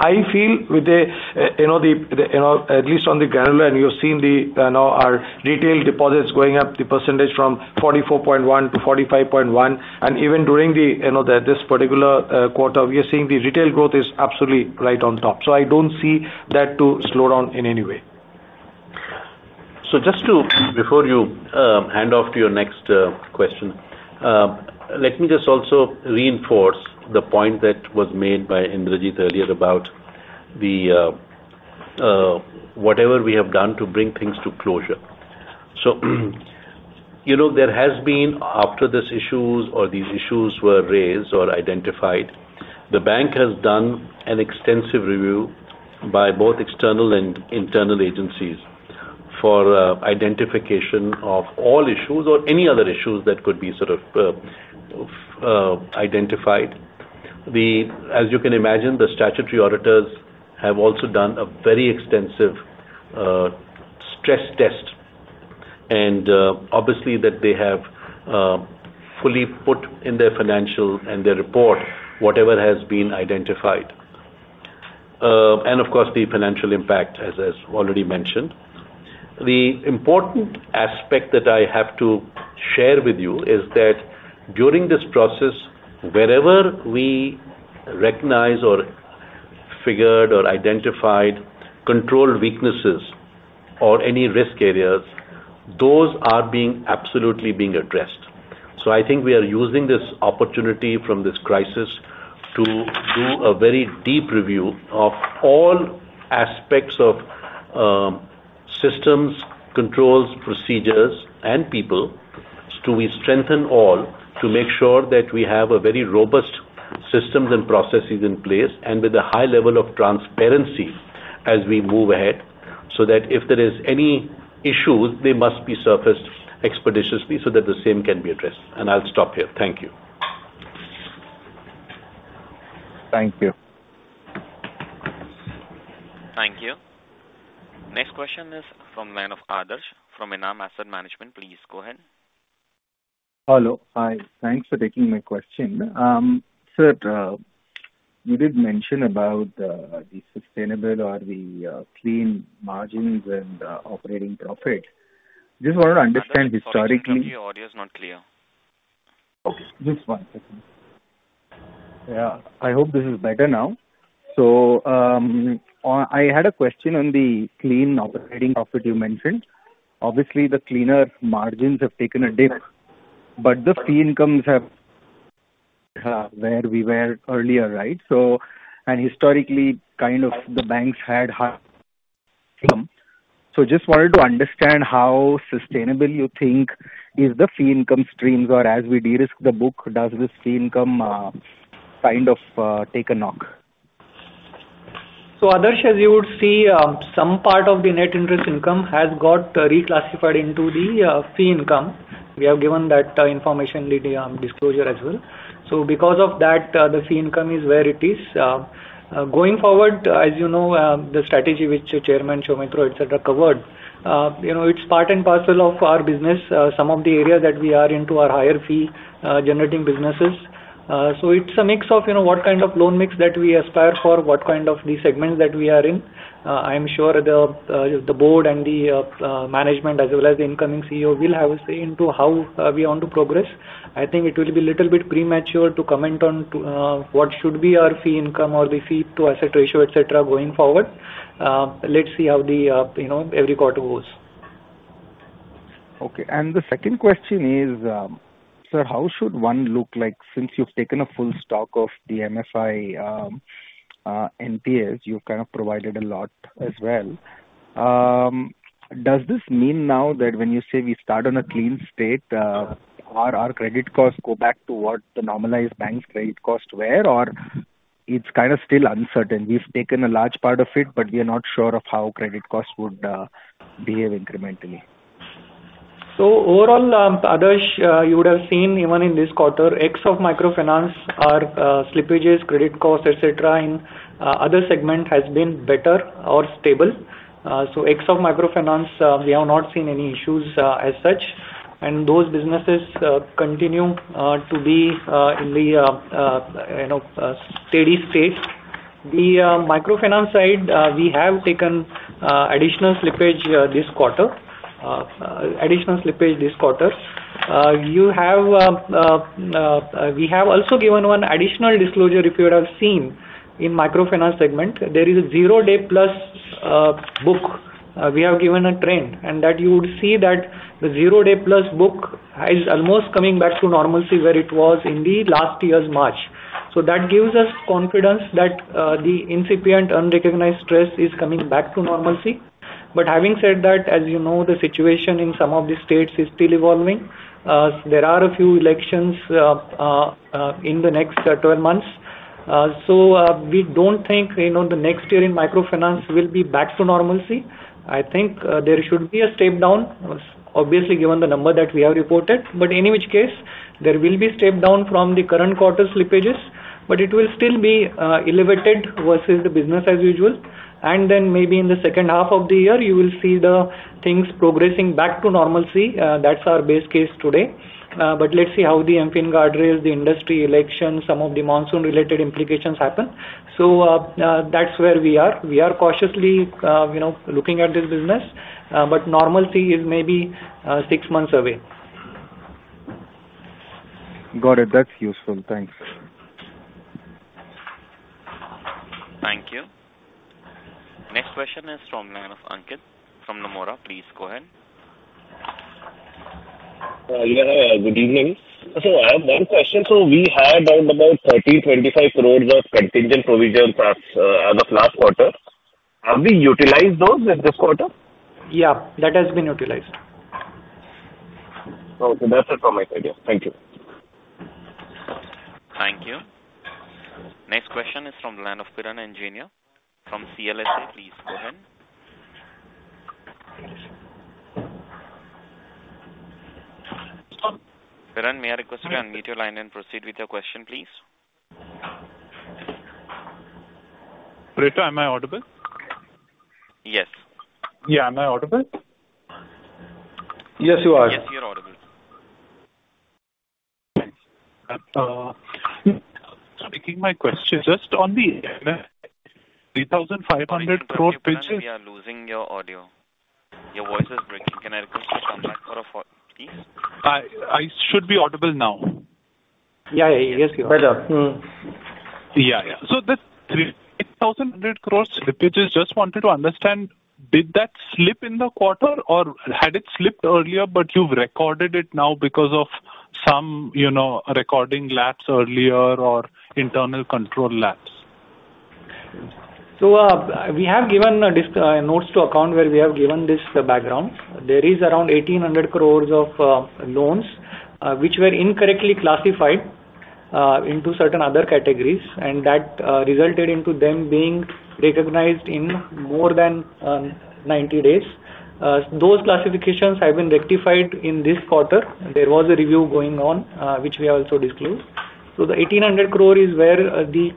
I feel with the, at least on the granular, and you've seen our retail deposits going up, the percentage from 44.1% to 45.1%, and even during this particular quarter, we are seeing the retail growth is absolutely right on top. I don't see that to slow down in any way. Just to, before you hand off to your next question, let me just also reinforce the point that was made by earlier about whatever we have done to bring things to closure. There has been, after these issues were raised or identified, the bank has done an extensive review by both external and internal agencies for identification of all issues or any other issues that could be sort of identified. As you can imagine, the statutory auditors have also done a very extensive stress test, and obviously, they have fully put in their financial and their report whatever has been identified. Of course, the financial impact, as already mentioned. The important aspect that I have to share with you is that during this process, wherever we recognized or figured or identified controlled weaknesses or any risk areas, those are absolutely being addressed. I think we are using this opportunity from this crisis to do a very deep review of all aspects of systems, controls, procedures, and people to strengthen all to make sure that we have very robust systems and processes in place and with a high level of transparency as we move ahead so that if there are any issues, they must be surfaced expeditiously so that the same can be addressed. I'll stop here. Thank you. Next question is from [Adarsh] from Enam Asset Management. Please go ahead. Hello. Hi. Thanks for taking my question. Sir, you did mention about the sustainable or the clean margins and operating profit. Just want to understand historically. I think your audio is not clear. Okay. Just one second. Yeah. I hope this is better now. I had a question on the clean operating profit you mentioned. Obviously, the cleaner margins have taken a dip. The free incomes have where we were earlier, right? Historically, kind of the banks had hard time. Just wanted to understand how sustainable you think the free income streams are. As we de-risk the book, does this free income kind of take a knock? As you would see, some part of the net interest income has got reclassified into the free income. We have given that information in the disclosure as well. Because of that, the fee income is where it is. Going forward, as you know, the strategy which Chairman Soumitra, etc., covered, is part and parcel of our business. Some of the areas that we are into are higher fee-generating businesses. It is a mix of what kind of loan mix that we aspire for, what kind of the segments that we are in. I am sure the board and the management, as well as the incoming CEO, will have a say into how we want to progress. I think it will be a little bit premature to comment on what should be our fee income or the fee-to-asset ratio, etc., going forward. Let's see how every quarter goes. Okay. The second question is, sir, how should one look, like, since you have taken a full stock of the MFI NPAs? You have kind of provided a lot as well. Does this mean now that when you say we start on a clean slate, our credit costs go back to what the normalized bank's credit costs were, or it is kind of still uncertain? We have taken a large part of it, but we are not sure of how credit costs would behave incrementally. Overall, Adarsh, you would have seen even in this quarter, excluding microfinance, our slippages, credit costs, etc., in other segments have been better or stable. Excluding microfinance, we have not seen any issues as such. Those businesses continue to be in the steady state. The microfinance side, we have taken additional slippage this quarter, additional slippage this quarter. We have also given one additional disclosure, if you would have seen, in microfinance segment. There is a zero-day plus book. We have given a trend. You would see that the zero-day plus book is almost coming back to normalcy where it was in last year's March. That gives us confidence that the incipient unrecognized stress is coming back to normalcy. Having said that, as you know, the situation in some of the states is still evolving. There are a few elections in the next 12 months. We do not think the next year in microfinance will be back to normalcy. I think there should be a step down, obviously, given the number that we have reported. In which case, there will be a step down from the current quarter slippages, but it will still be elevated versus the business as usual. Maybe in the second half of the year, you will see things progressing back to normalcy. That is our base case today. Let's see how the MFIN guardrails, the industry elections, and some of the monsoon-related implications happen. That is where we are. We are cautiously looking at this business, but normalcy is maybe six months away. Got it. That is useful. Thanks. Thank you. Next question is from Ankit from Nomura. Please go ahead. Good evening. I have one question. We had around 1,325 crore of contingent provision traps as of last quarter. Have we utilized those in this quarter? Yeah. That has been utilized. Okay. That is it from my side, yeah. Thank you. Thank you. Next question is from Piran Jainya from CLSA. Please go ahead. Piran, may I request you to unmute your line and proceed with your question, please? am I audible? Yes. Yeah. Am I audible? Yes, you are. Yes, you're audible. Thanks. Speaking my question, just on the 3,500 crore slippages. Sorry, we are losing your audio. Your voice is breaking. Can I request you to come back for a phone, please? I should be audible now. Yeah. So the 3,500 crore slippages, just wanted to understand, did that slip in the quarter, or had it slipped earlier, but you've recorded it now because of some recording laps earlier or internal control laps? We have given notes to account where we have given this background. There is around 1,800 crores of loans which were incorrectly classified into certain other categories, and that resulted in them being recognized in more than 90 days. Those classifications have been rectified in this quarter. There was a review going on, which we have also disclosed. So the 1,800 crore is where the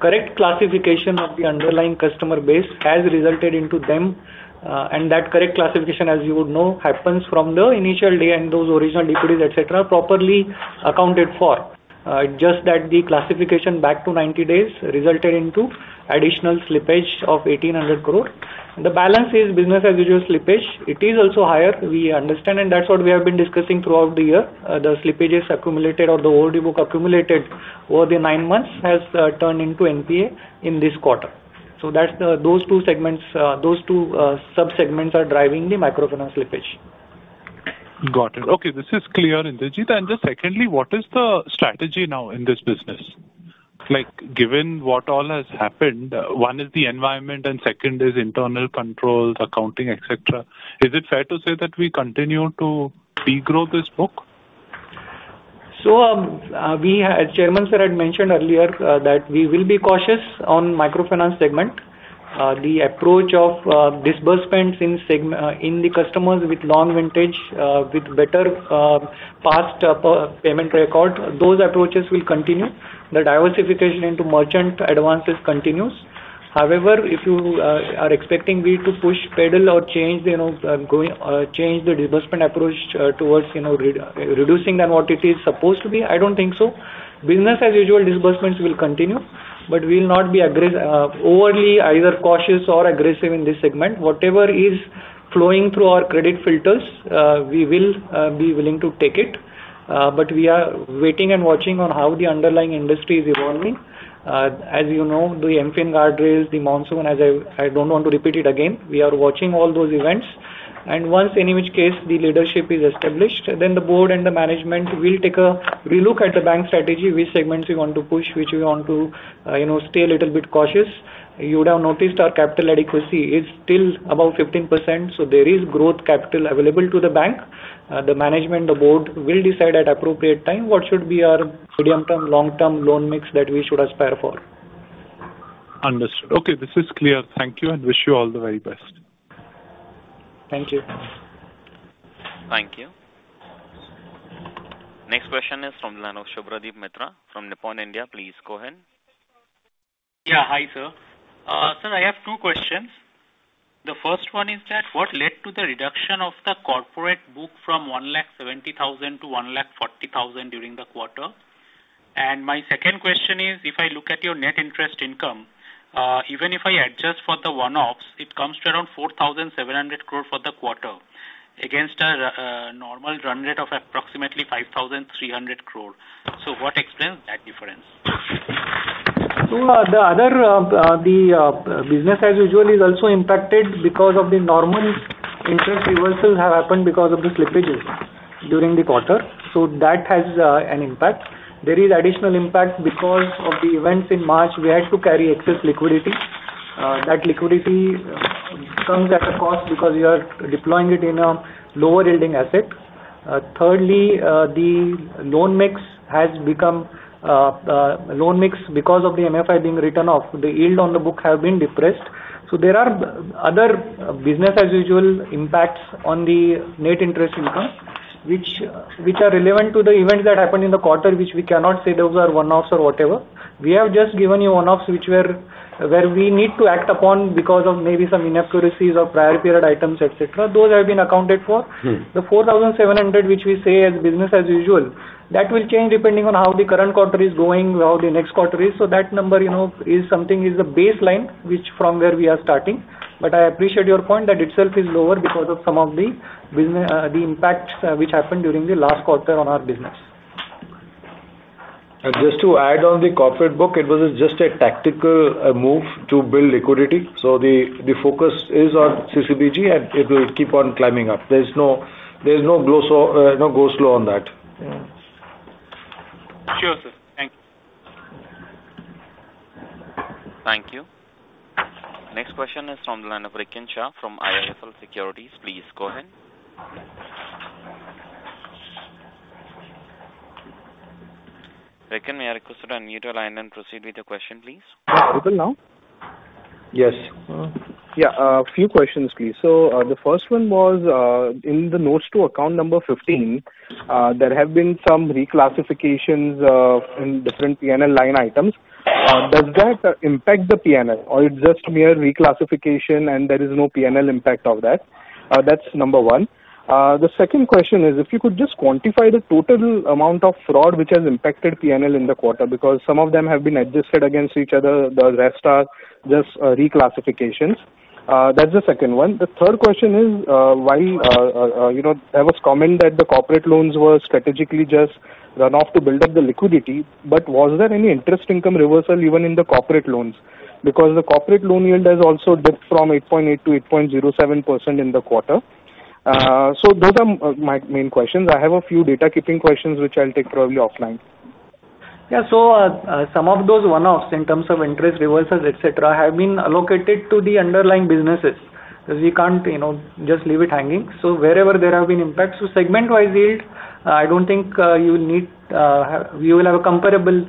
correct classification of the underlying customer base has resulted into them. And that correct classification, as you would know, happens from the initial day and those original deputies, etc., properly accounted for. Just that the classification back to 90 days resulted in additional slippage of 1,800 crore. The balance is business-as-usual slippage. It is also higher. We understand, and that's what we have been discussing throughout the year. The slippages accumulated or the overview book accumulated over the nine months has turned into NPA in this quarter. Those two segments, those two subsegments are driving the microfinance slippage. Got it. Okay. This is clear. And then secondly, what is the strategy now in this business? Given what all has happened, one is the environment and second is internal controls, accounting, etc. Is it fair to say that we continue to regrow this book? Chairman Sir had mentioned earlier that we will be cautious on microfinance segment. The approach of disbursement in the customers with long vintage, with better past payment record, those approaches will continue. The diversification into merchant advances continues. However, if you are expecting me to push, pedal, or change the disbursement approach towards reducing than what it is supposed to be, I do not think so. Business-as-usual disbursements will continue, but we will not be overly either cautious or aggressive in this segment. Whatever is flowing through our credit filters, we will be willing to take it. We are waiting and watching on how the underlying industry is evolving. As you know, the MFIN guardrails, the monsoon, as I do not want to repeat it again, we are watching all those events. Once in which case the leadership is established, then the board and the management will take a relook at the bank strategy, which segments we want to push, which we want to stay a little bit cautious. You would have noticed our capital adequacy is still about 15%. So there is growth capital available to the bank. The management, the board will decide at appropriate time what should be our medium-term, long-term loan mix that we should aspire for. Understood. Okay. This is clear. Thank you and wish you all the very best. Thank you. Thank you. Next question is from line of Subhradeep Mitra from Nippon India. Please go ahead. Yeah. Hi, sir. Sir, I have two questions. The first one is that what led to the reduction of the corporate book from 170,000 crore to 140,000 crore during the quarter? My second question is, if I look at your net interest income, even if I adjust for the one-offs, it comes to around 4,700 crore for the quarter against a normal run rate of approximately 5,300 crore. What explains that difference? The other business-as-usual is also impacted because of the normal interest reversals that have happened because of the slippages during the quarter. That has an impact. There is additional impact because of the events in March. We had to carry excess liquidity. That liquidity comes at a cost because we are deploying it in a lower-yielding asset. Thirdly, the loan mix has become loan mix because of the microfinance loans being written off. The yield on the book has been depressed. There are other business-as-usual impacts on the net interest income, which are relevant to the events that happened in the quarter, which we cannot say are one-offs or whatever. We have just given you one-offs where we need to act upon because of maybe some inaccuracies or prior-period items, etc. Those have been accounted for. The 4,700, which we say as business-as-usual, that will change depending on how the current quarter is going, how the next quarter is. That number is something that is the baseline from where we are starting. I appreciate your point that itself is lower because of some of the impacts which happened during the last quarter on our business. Just to add on the corporate book, it was just a tactical move to build liquidity. The focus is on CCBG, and it will keep on climbing up. There's no go slow on that. Sure, sir. Thank you. Thank you. Next question is from Rikin Shah from IIFL Securities. Please go ahead. Rikin, may I request you to unmute your line and proceed with your question, please? Are you still now? Yes. Yeah. A few questions, please. The first one was in the notes to account number 15, there have been some reclassifications in different P&L line items. Does that impact the P&L, or is it just mere reclassification, and there is no P&L impact of that? That's number one. The second question is, if you could just quantify the total amount of fraud which has impacted P&L in the quarter because some of them have been adjusted against each other. The rest are just reclassifications. That's the second one. The third question is, while I was commented that the corporate loans were strategically just run off to build up the liquidity, but was there any interest income reversal even in the corporate loans? Because the corporate loan yield has also dipped from 8.8% to 8.07% in the quarter. Those are my main questions. I have a few data-keeping questions, which I'll take probably offline. Yeah. Some of those one-offs in terms of interest reversals, etc., have been allocated to the underlying businesses because we can't just leave it hanging. Wherever there have been impacts, segment-wise yield, I don't think you will have a comparable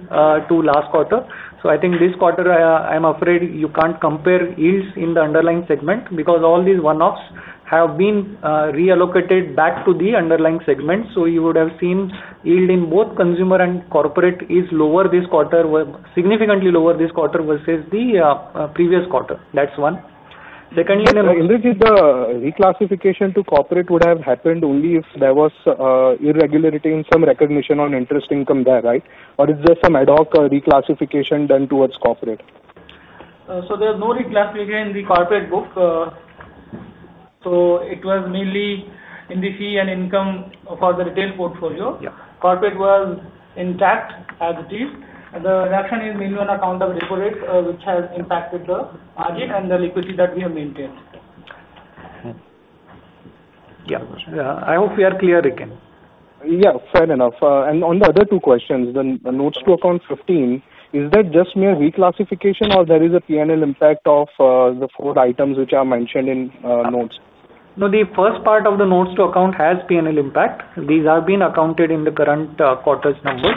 to last quarter. I think this quarter, I'm afraid you can't compare yields in the underlying segment because all these one-offs have been reallocated back to the underlying segment. You would have seen yield in both consumer and corporate is lower this quarter, significantly lower this quarter versus the previous quarter. That's one. Secondly. the reclassification to corporate would have happened only if there was irregularity in some recognition on interest income there, right? Or is there some ad hoc reclassification done towards corporate? There was no reclassification in the corporate book. It was mainly in the fee and income for the retail portfolio. Corporate was intact as it is. The reduction is mainly on account of repository, which has impacted the margin and the liquidity that we have maintained. Yeah. I hope we are clear again. Yeah. Fair enough. On the other two questions, the notes to account 15, is that just mere reclassification, or is there a P&L impact of the four items which are mentioned in notes? No, the first part of the notes to account has P&L impact. These have been accounted in the current quarter's numbers.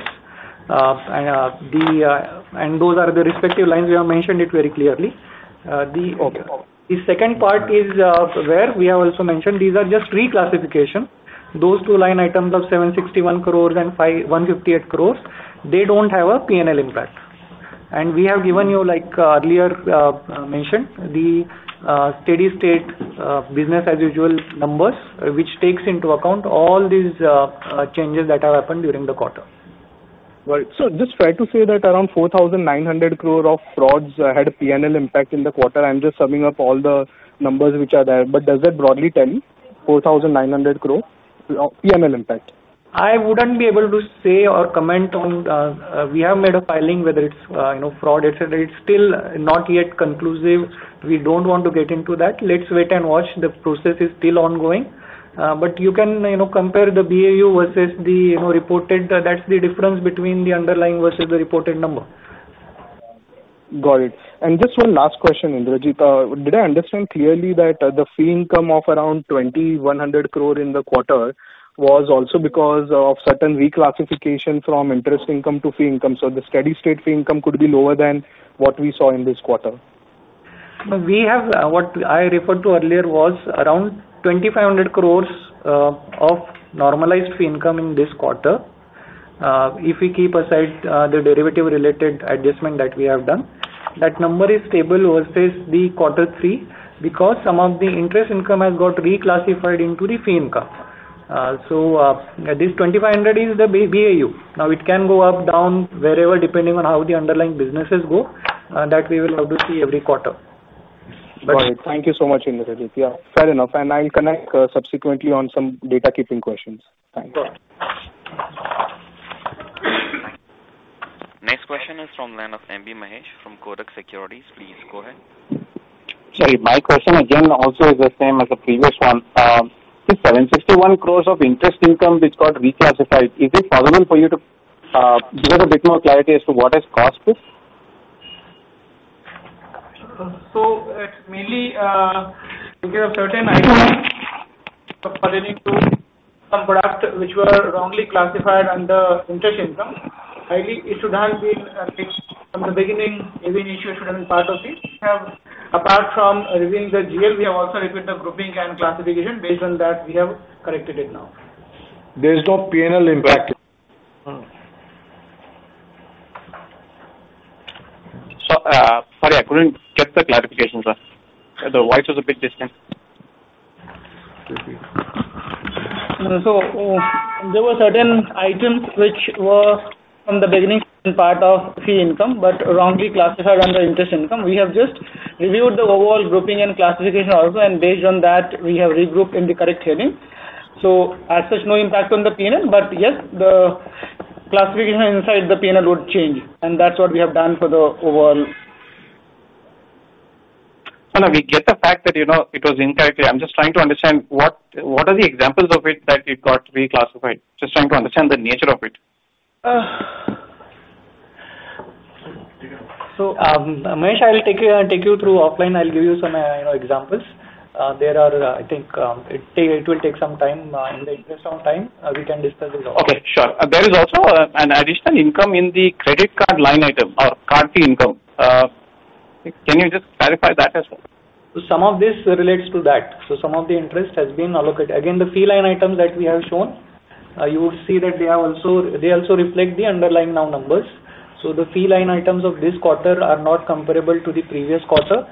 These are the respective lines. We have mentioned it very clearly. The second part is where we have also mentioned these are just reclassification. Those two line items of 761 crore and 158 crore, they do not have a P&L impact. We have given you, like earlier mentioned, the steady-state business-as-usual numbers, which takes into account all these changes that have happened during the quarter. Right. Just trying to say that around 4,900 crore of frauds had a P&L impact in the quarter. I am just summing up all the numbers which are there. Does that broadly tell you 4,900 crore P&L impact? I would not be able to say or comment on. We have made a filing whether it is fraud, etc. It is still not yet conclusive. We don't want to get into that. Let's wait and watch. The process is still ongoing. You can compare the BAU versus the reported. That's the difference between the underlying versus the reported number. Got it. Just one last question. Did I understand clearly that the fee income of around 2,100 crore in the quarter was also because of certain reclassification from interest income to fee income? The steady-state fee income could be lower than what we saw in this quarter? What I referred to earlier was around 2,500 crore of normalized fee income in this quarter. If we keep aside the derivative-related adjustment that we have done, that number is stable versus quarter three because some of the interest income has got reclassified into the fee income. This 2,500 crore is the BAU. Now, it can go up, down, wherever, depending on how the underlying businesses go, that we will have to see every quarter. Got it. Thank you so much. Yeah. Fair enough. I'll connect subsequently on some data-keeping questions. Thanks. Next question is from M.B. Mahesh from Kotak Securities. Please go ahead. Sorry. My question again also is the same as the previous one. The 761 crore of interest income which got reclassified, is it possible for you to give us a bit more clarity as to what has caused this? Mainly, in case of certain items according to some product which were wrongly classified under interest income, it should have been from the beginning, even if it should have been part of it. Apart from reviewing the GL, we have also reviewed the grouping and classification. Based on that, we have corrected it now. There's no P&L impact. Sorry, I couldn't get the clarification, sir. The voice was a bit distant. There were certain items which were from the beginning part of fee income but wrongly classified under interest income. We have just reviewed the overall grouping and classification also, and based on that, we have regrouped in the correct heading. As such, no impact on the P&L. Yes, the classification inside the P&L would change. That's what we have done for the overall. Can we get the fact that it was incorrectly? I'm just trying to understand what are the examples of it that got reclassified. Just trying to understand the nature of it. Mahesh, I'll take you through offline. I'll give you some examples. I think it will take some time in the interest of time. We can discuss this also. Okay. Sure. There is also an additional income in the credit card line item or card fee income. Can you just clarify that as well? Some of this relates to that. Some of the interest has been allocated. Again, the fee line items that we have shown, you would see that they also reflect the underlying numbers now. The fee line items of this quarter are not comparable to the previous quarter.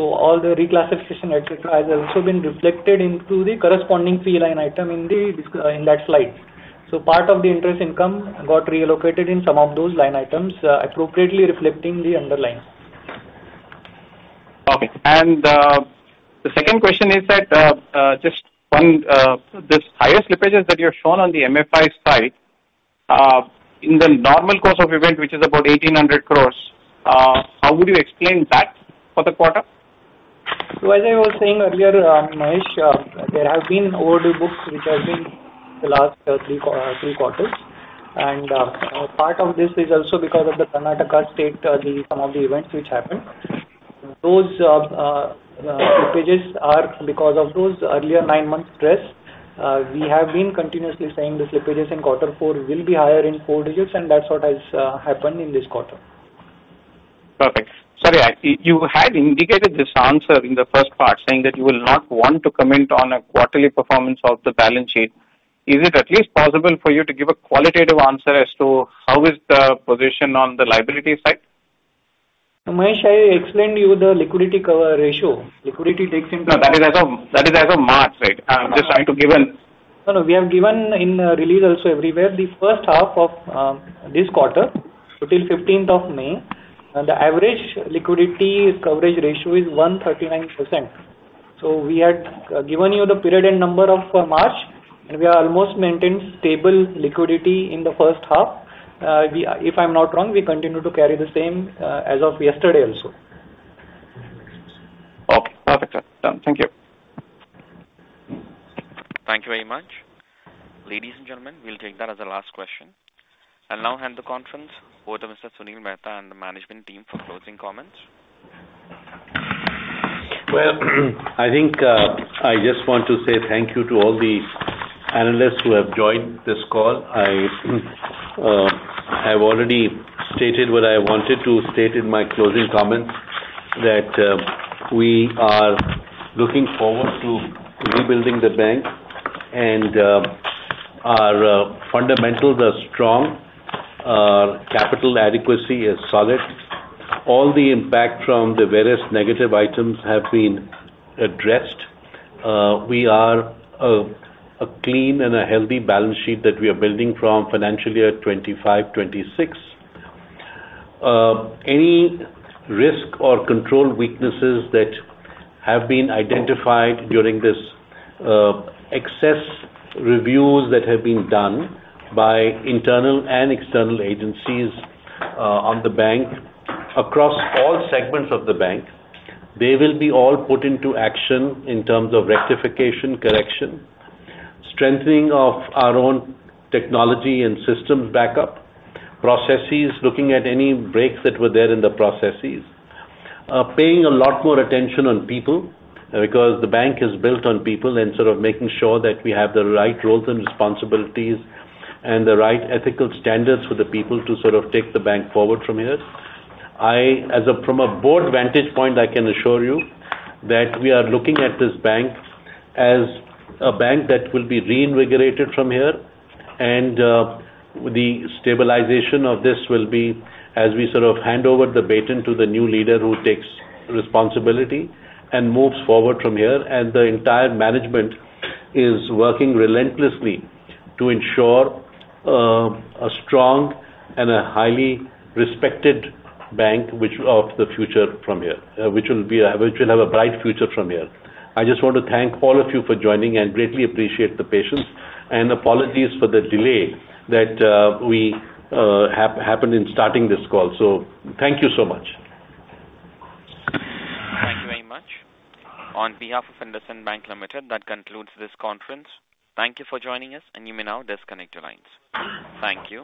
All the reclassification, etc., has also been reflected into the corresponding fee line item in that slide. Part of the interest income got reallocated in some of those line items, appropriately reflecting the underlying. Okay. The second question is that just one, this higher slippages that you have shown on the MFI side, in the normal course of event, which is about 1,800 crore, how would you explain that for the quarter? As I was saying earlier, Mahesh, there have been overdue books which have been the last three quarters. Part of this is also because of the Karnataka state, some of the events which happened. Those slippages are because of those earlier nine-month stress. We have been continuously saying the slippages in quarter four will be higher in four digits, and that's what has happened in this quarter. Perfect. Sorry, you had indicated this answer in the first part, saying that you will not want to comment on a quarterly performance of the balance sheet. Is it at least possible for you to give a qualitative answer as to how is the position on the liability side? Mahesh, I explained to you the liquidity ratio. Liquidity takes into account. No, that is as of March, right? I'm just trying to give an. No, no. We have given in release also everywhere, the first half of this quarter until 15th of May, the average liquidity coverage ratio is 139%. So we had given you the period and number of March, and we have almost maintained stable liquidity in the first half. If I'm not wrong, we continue to carry the same as of yesterday also. Okay. Perfect, sir. Thank you. Thank you very much. Ladies and gentlemen, we'll take that as a last question. Now, hand the conference over to Mr. Sunil Mehta and the management team for closing comments. I think I just want to say thank you to all the analysts who have joined this call. I have already stated what I wanted to state in my closing comments, that we are looking forward to rebuilding the bank, and our fundamentals are strong, our capital adequacy is solid. All the impact from the various negative items have been addressed. We are a clean and a healthy balance sheet that we are building from financial year 2025-2026. Any risk or control weaknesses that have been identified during this excess reviews that have been done by internal and external agencies on the bank across all segments of the bank, they will be all put into action in terms of rectification, correction, strengthening of our own technology and systems backup processes, looking at any breaks that were there in the processes, paying a lot more attention on people because the bank is built on people and sort of making sure that we have the right roles and responsibilities and the right ethical standards for the people to sort of take the bank forward from here. From a broad vantage point, I can assure you that we are looking at this bank as a bank that will be reinvigorated from here, and the stabilization of this will be as we sort of hand over the baton to the new leader who takes responsibility and moves forward from here. The entire management is working relentlessly to ensure a strong and a highly respected bank of the future from here, which will have a bright future from here. I just want to thank all of you for joining and greatly appreciate the patience and apologies for the delay that we happened in starting this call. Thank you so much. Thank you very much. On behalf of IndusInd Bank, that concludes this conference. Thank you for joining us, and you may now disconnect your lines. Thank you.